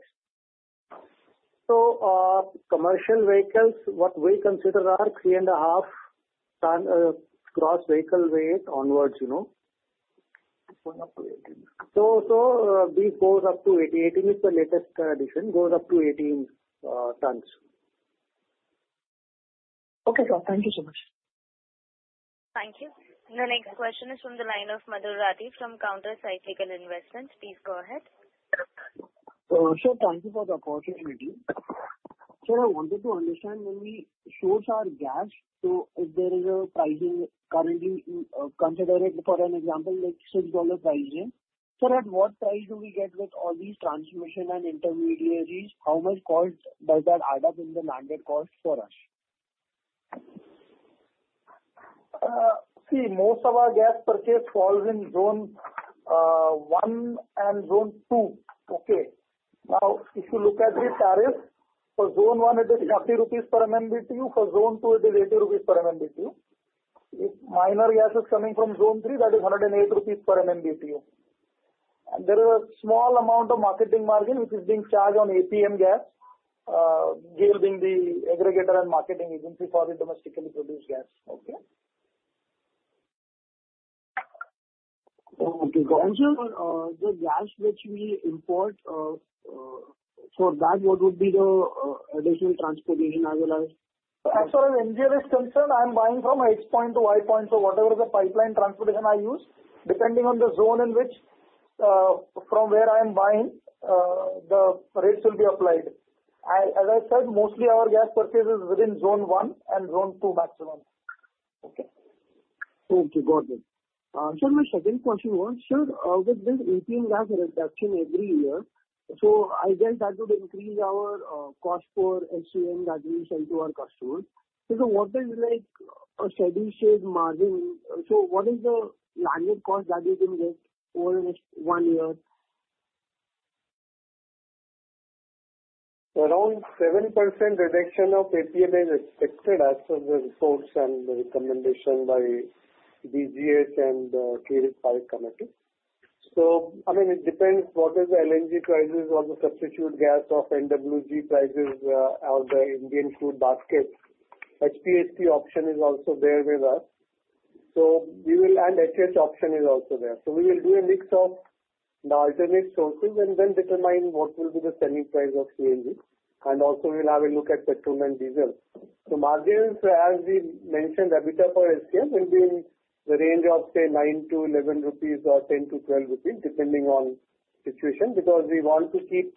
So commercial vehicles, what we consider are three and a half gross vehicle weight onwards. So these goes up to 18. 18 is the latest addition. Goes up to 18 tons. Okay, sir. Thank you so much. Thank you. The next question is from the line of Madhur Rathi from Counter Cyclical Investments. Please go ahead. Sure. Thank you for the opportunity. Sir, I wanted to understand when we source our gas, so if there is a pricing currently considered for an example like $6 pricing, sir, at what price do we get with all these transmission and intermediaries? How much cost does that add up in the landed cost for us? See, most of our gas purchase falls in Zone 1 and Zone 2. Okay. Now, if you look at the tariff, for Zone 1, it is 40 rupees per MMBTU. For Zone 2, it is 80 rupees per MMBTU. If minor gas is coming from Zone 3, that is 108 rupees per MMBTU, and there is a small amount of marketing margin which is being charged on APM gas, GAIL being the aggregator and marketing agency for domestically produced gas. Okay. Karan sir, the gas which we import, for that, what would be the additional transportation as well as? As far as NGL is concerned, I'm buying from H point to Y point. So whatever the pipeline transportation I use, depending on the zone in which from where I am buying, the rates will be applied. As I said, mostly our gas purchase is within Zone 1 and Zone 2 maximum. Thank you. Got it. Sir, my second question was, sir, with this APM gas reduction every year, so I guess that would increase our cost for SCM that we sell to our customers. So what is a sustainable margin? So what is the landed cost that you can get over the next one year? Around 7% reduction of APM is expected as per the results and the recommendation by DGH and Kirit Parikh Committee. So I mean, it depends what is the LNG prices or the substitute gas of NWG prices or the Indian gas basket. HPHT option is also there with us. So we will, and HH option is also there. So we will do a mix of the alternate sources and then determine what will be the selling price of CNG. And also, we'll have a look at petrol and diesel. Margins, as we mentioned, EBITDA per SCM will be in the range of, say, 9 crore-11 crore rupees or 10 crore-12 crore rupees, depending on situation, because we want to keep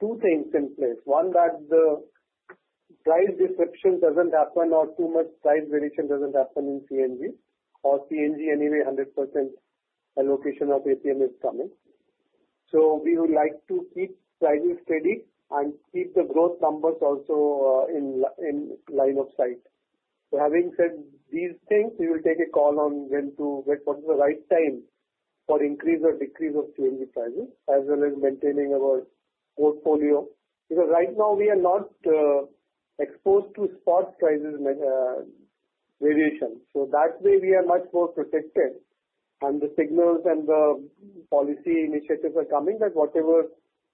two things in place. One, that the price disruption doesn't happen or too much price variation doesn't happen in CNG, or CNG anyway, 100% allocation of APM is coming. We would like to keep prices steady and keep the growth numbers also in line of sight. Having said these things, we will take a call on when to, what is the right time for increase or decrease of CNG prices, as well as maintaining our portfolio. Because right now, we are not exposed to spot prices variation. That way, we are much more protected. The signals and the policy initiatives are coming that whatever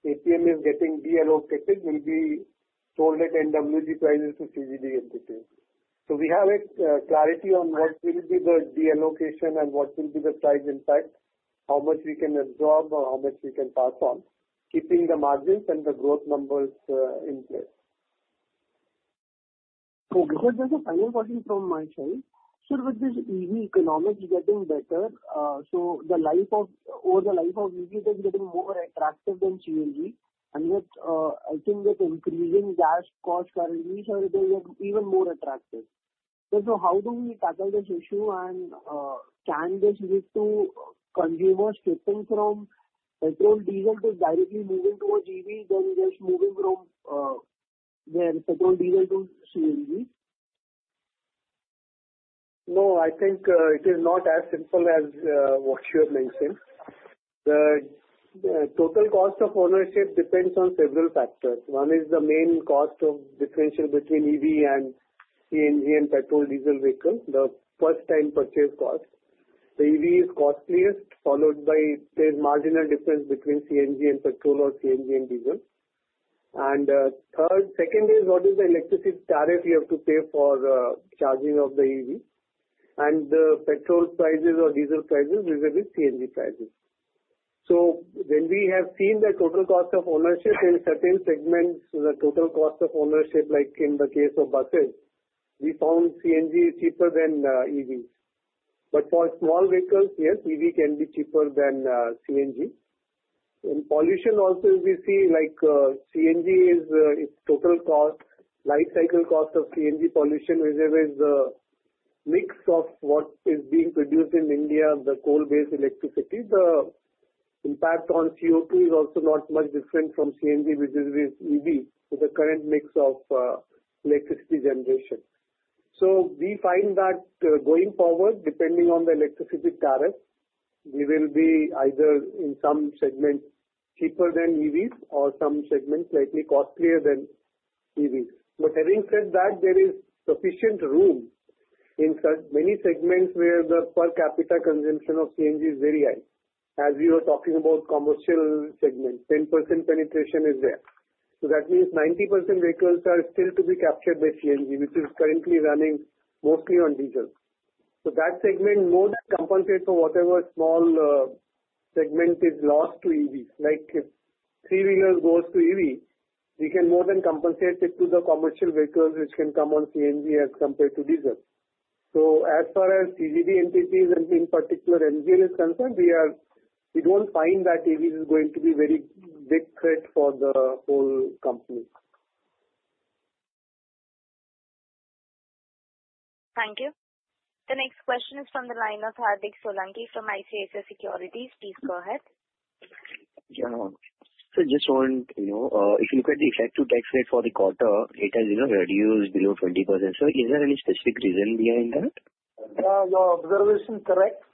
APM is getting deallocated will be sold at NWG prices to CGD entities. We have clarity on what will be the deallocation and what will be the price impact, how much we can absorb or how much we can pass on, keeping the margins and the growth numbers in place. Okay. Sir, just a final question from my side. Sir, with this EV economics getting better, so the life of over the life of EVs is getting more attractive than CNG. And yet, I think with increasing gas cost currently, sir, they get even more attractive. So how do we tackle this issue? And can this lead to consumers shifting from petrol, diesel to directly moving towards EVs than just moving from petrol, diesel to CNG? No, I think it is not as simple as what you have mentioned. The total cost of ownership depends on several factors. One is the main cost of differential between EV and CNG and petrol, diesel vehicle, the first-time purchase cost. The EV is costliest, followed by there's marginal difference between CNG and petrol or CNG and diesel, and second is what is the electricity tariff you have to pay for charging of the EV, and the petrol prices or diesel prices vis-à-vis CNG prices, so when we have seen the total cost of ownership in certain segments, the total cost of ownership, like in the case of buses, we found CNG is cheaper than EVs, but for small vehicles, yes, EV can be cheaper than CNG. And pollution also, we see like CNG is total cost, life cycle cost of CNG pollution vis-à-vis the mix of what is being produced in India, the coal-based electricity. The impact on CO2 is also not much different from CNG vis-à-vis EV with the current mix of electricity generation. So we find that going forward, depending on the electricity tariff, we will be either in some segments cheaper than EVs or some segments slightly costlier than EVs. But having said that, there is sufficient room in many segments where the per capita consumption of CNG is very high. As we were talking about commercial segment, 10% penetration is there. So that means 90% vehicles are still to be captured by CNG, which is currently running mostly on diesel. So that segment more than compensate for whatever small segment is lost to EVs. Like if three-wheeler goes to EV, we can more than compensate it to the commercial vehicles which can come on CNG as compared to diesel, so as far as CGD entities and in particular MGL is concerned, we don't find that EVs is going to be a very big threat for the whole company. Thank you. The next question is from the line of Hardik Solanki from ICICI Securities. Please go ahead. Sir, just want to know, if you look at the effective tax rate for the quarter, it has reduced below 20%. Sir, is there any specific reason behind that? Your observation is correct.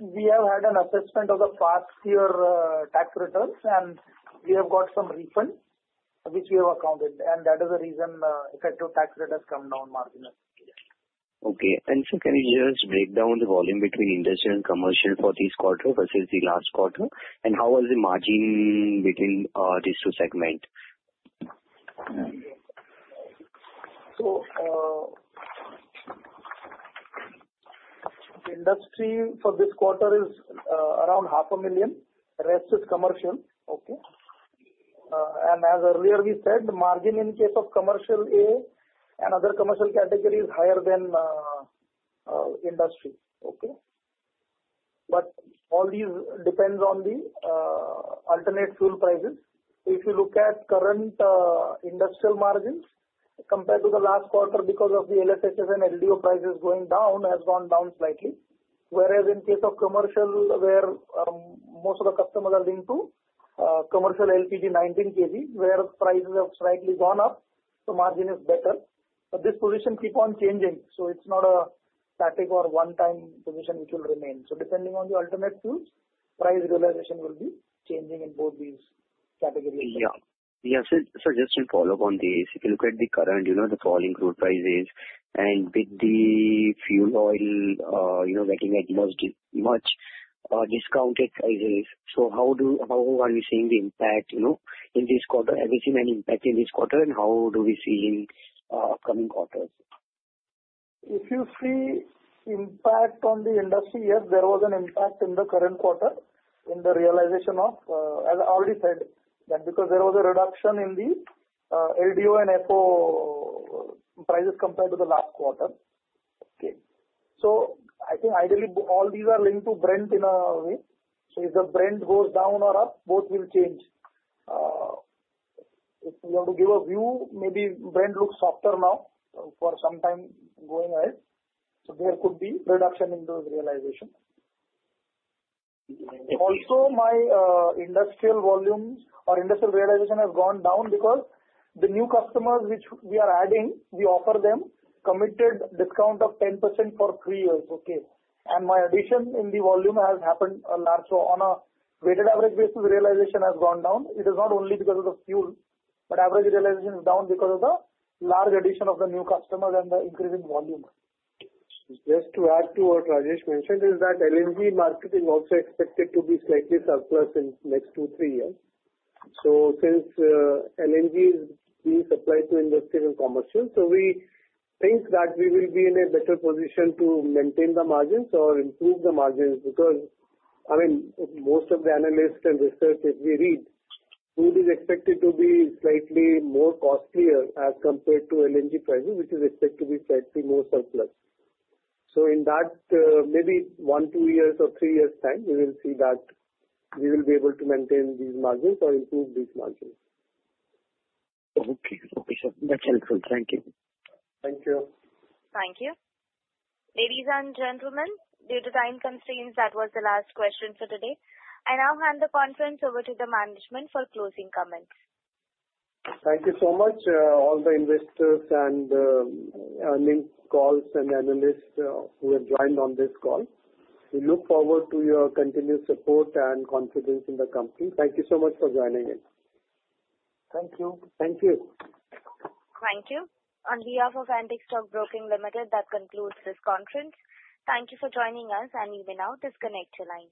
We have had an assessment of the past year tax returns, and we have got some refunds which we have accounted, and that is the reason effective tax rate has come down marginally. Okay. And sir, can you just break down the volume between Industrial and Commercial for this quarter versus the last quarter? And how was the margin between these two segments? So industry for this quarter is around 500,000. The rest is commercial. Okay. And as earlier we said, the margin in case of commercial A and other commercial categories is higher than industry. Okay. But all these depends on the alternate fuel prices. If you look at current industrial margins compared to the last quarter, because of the LSHS and LDO prices going down, has gone down slightly. Whereas in case of commercial, where most of the customers are linked to commercial LPG 19 kg, where prices have slightly gone up, the margin is better. But this position keeps on changing. So it's not a static or one-time position which will remain. So depending on the alternate fuels, price realization will be changing in both these categories. Yeah. Yes. Sir, just to follow up on this, if you look at the current, the falling crude prices and with the fuel oil getting at much discounted prices, so how are we seeing the impact in this quarter? Have we seen any impact in this quarter? And how do we see in upcoming quarters? If you see impact on the industry, yes, there was an impact in the current quarter in the realization of, as I already said, that because there was a reduction in the LDO and FO prices compared to the last quarter. Okay. So I think ideally, all these are linked to Brent in a way. So if the Brent goes down or up, both will change. If you want to give a view, maybe Brent looks softer now for some time going ahead. So there could be reduction in those realizations. Also, my industrial volume or industrial realization has gone down because the new customers which we are adding, we offer them committed discount of 10% for three years. Okay. And my addition in the volume has happened large. So on a weighted average basis, realization has gone down. It is not only because of the fuel, but average realization is down because of the large addition of the new customers and the increase in volume. Just to add to what Rajesh mentioned is that LNG market is also expected to be slightly surplus in the next two, three years. So since LNG is being supplied to Industrial and Commercial, so we think that we will be in a better position to maintain the margins or improve the margins because, I mean, most of the analysts and research, if we read, fuel is expected to be slightly more costlier as compared to LNG prices, which is expected to be slightly more surplus. So in that, maybe one, two years, or three years' time, we will see that we will be able to maintain these margins or improve these margins. Okay. Okay, sir. That's helpful. Thank you. Thank you. Thank you. Ladies and gentlemen, due to time constraints, that was the last question for today. I now hand the conference over to the management for closing comments. Thank you so much, all the investors and earnings calls and analysts who have joined on this call. We look forward to your continued support and confidence in the company. Thank you so much for joining us. Thank you. Thank you. Thank you. On behalf of Antique Stock Broking Ltd, that concludes this conference. Thank you for joining us, and we will now disconnect the line.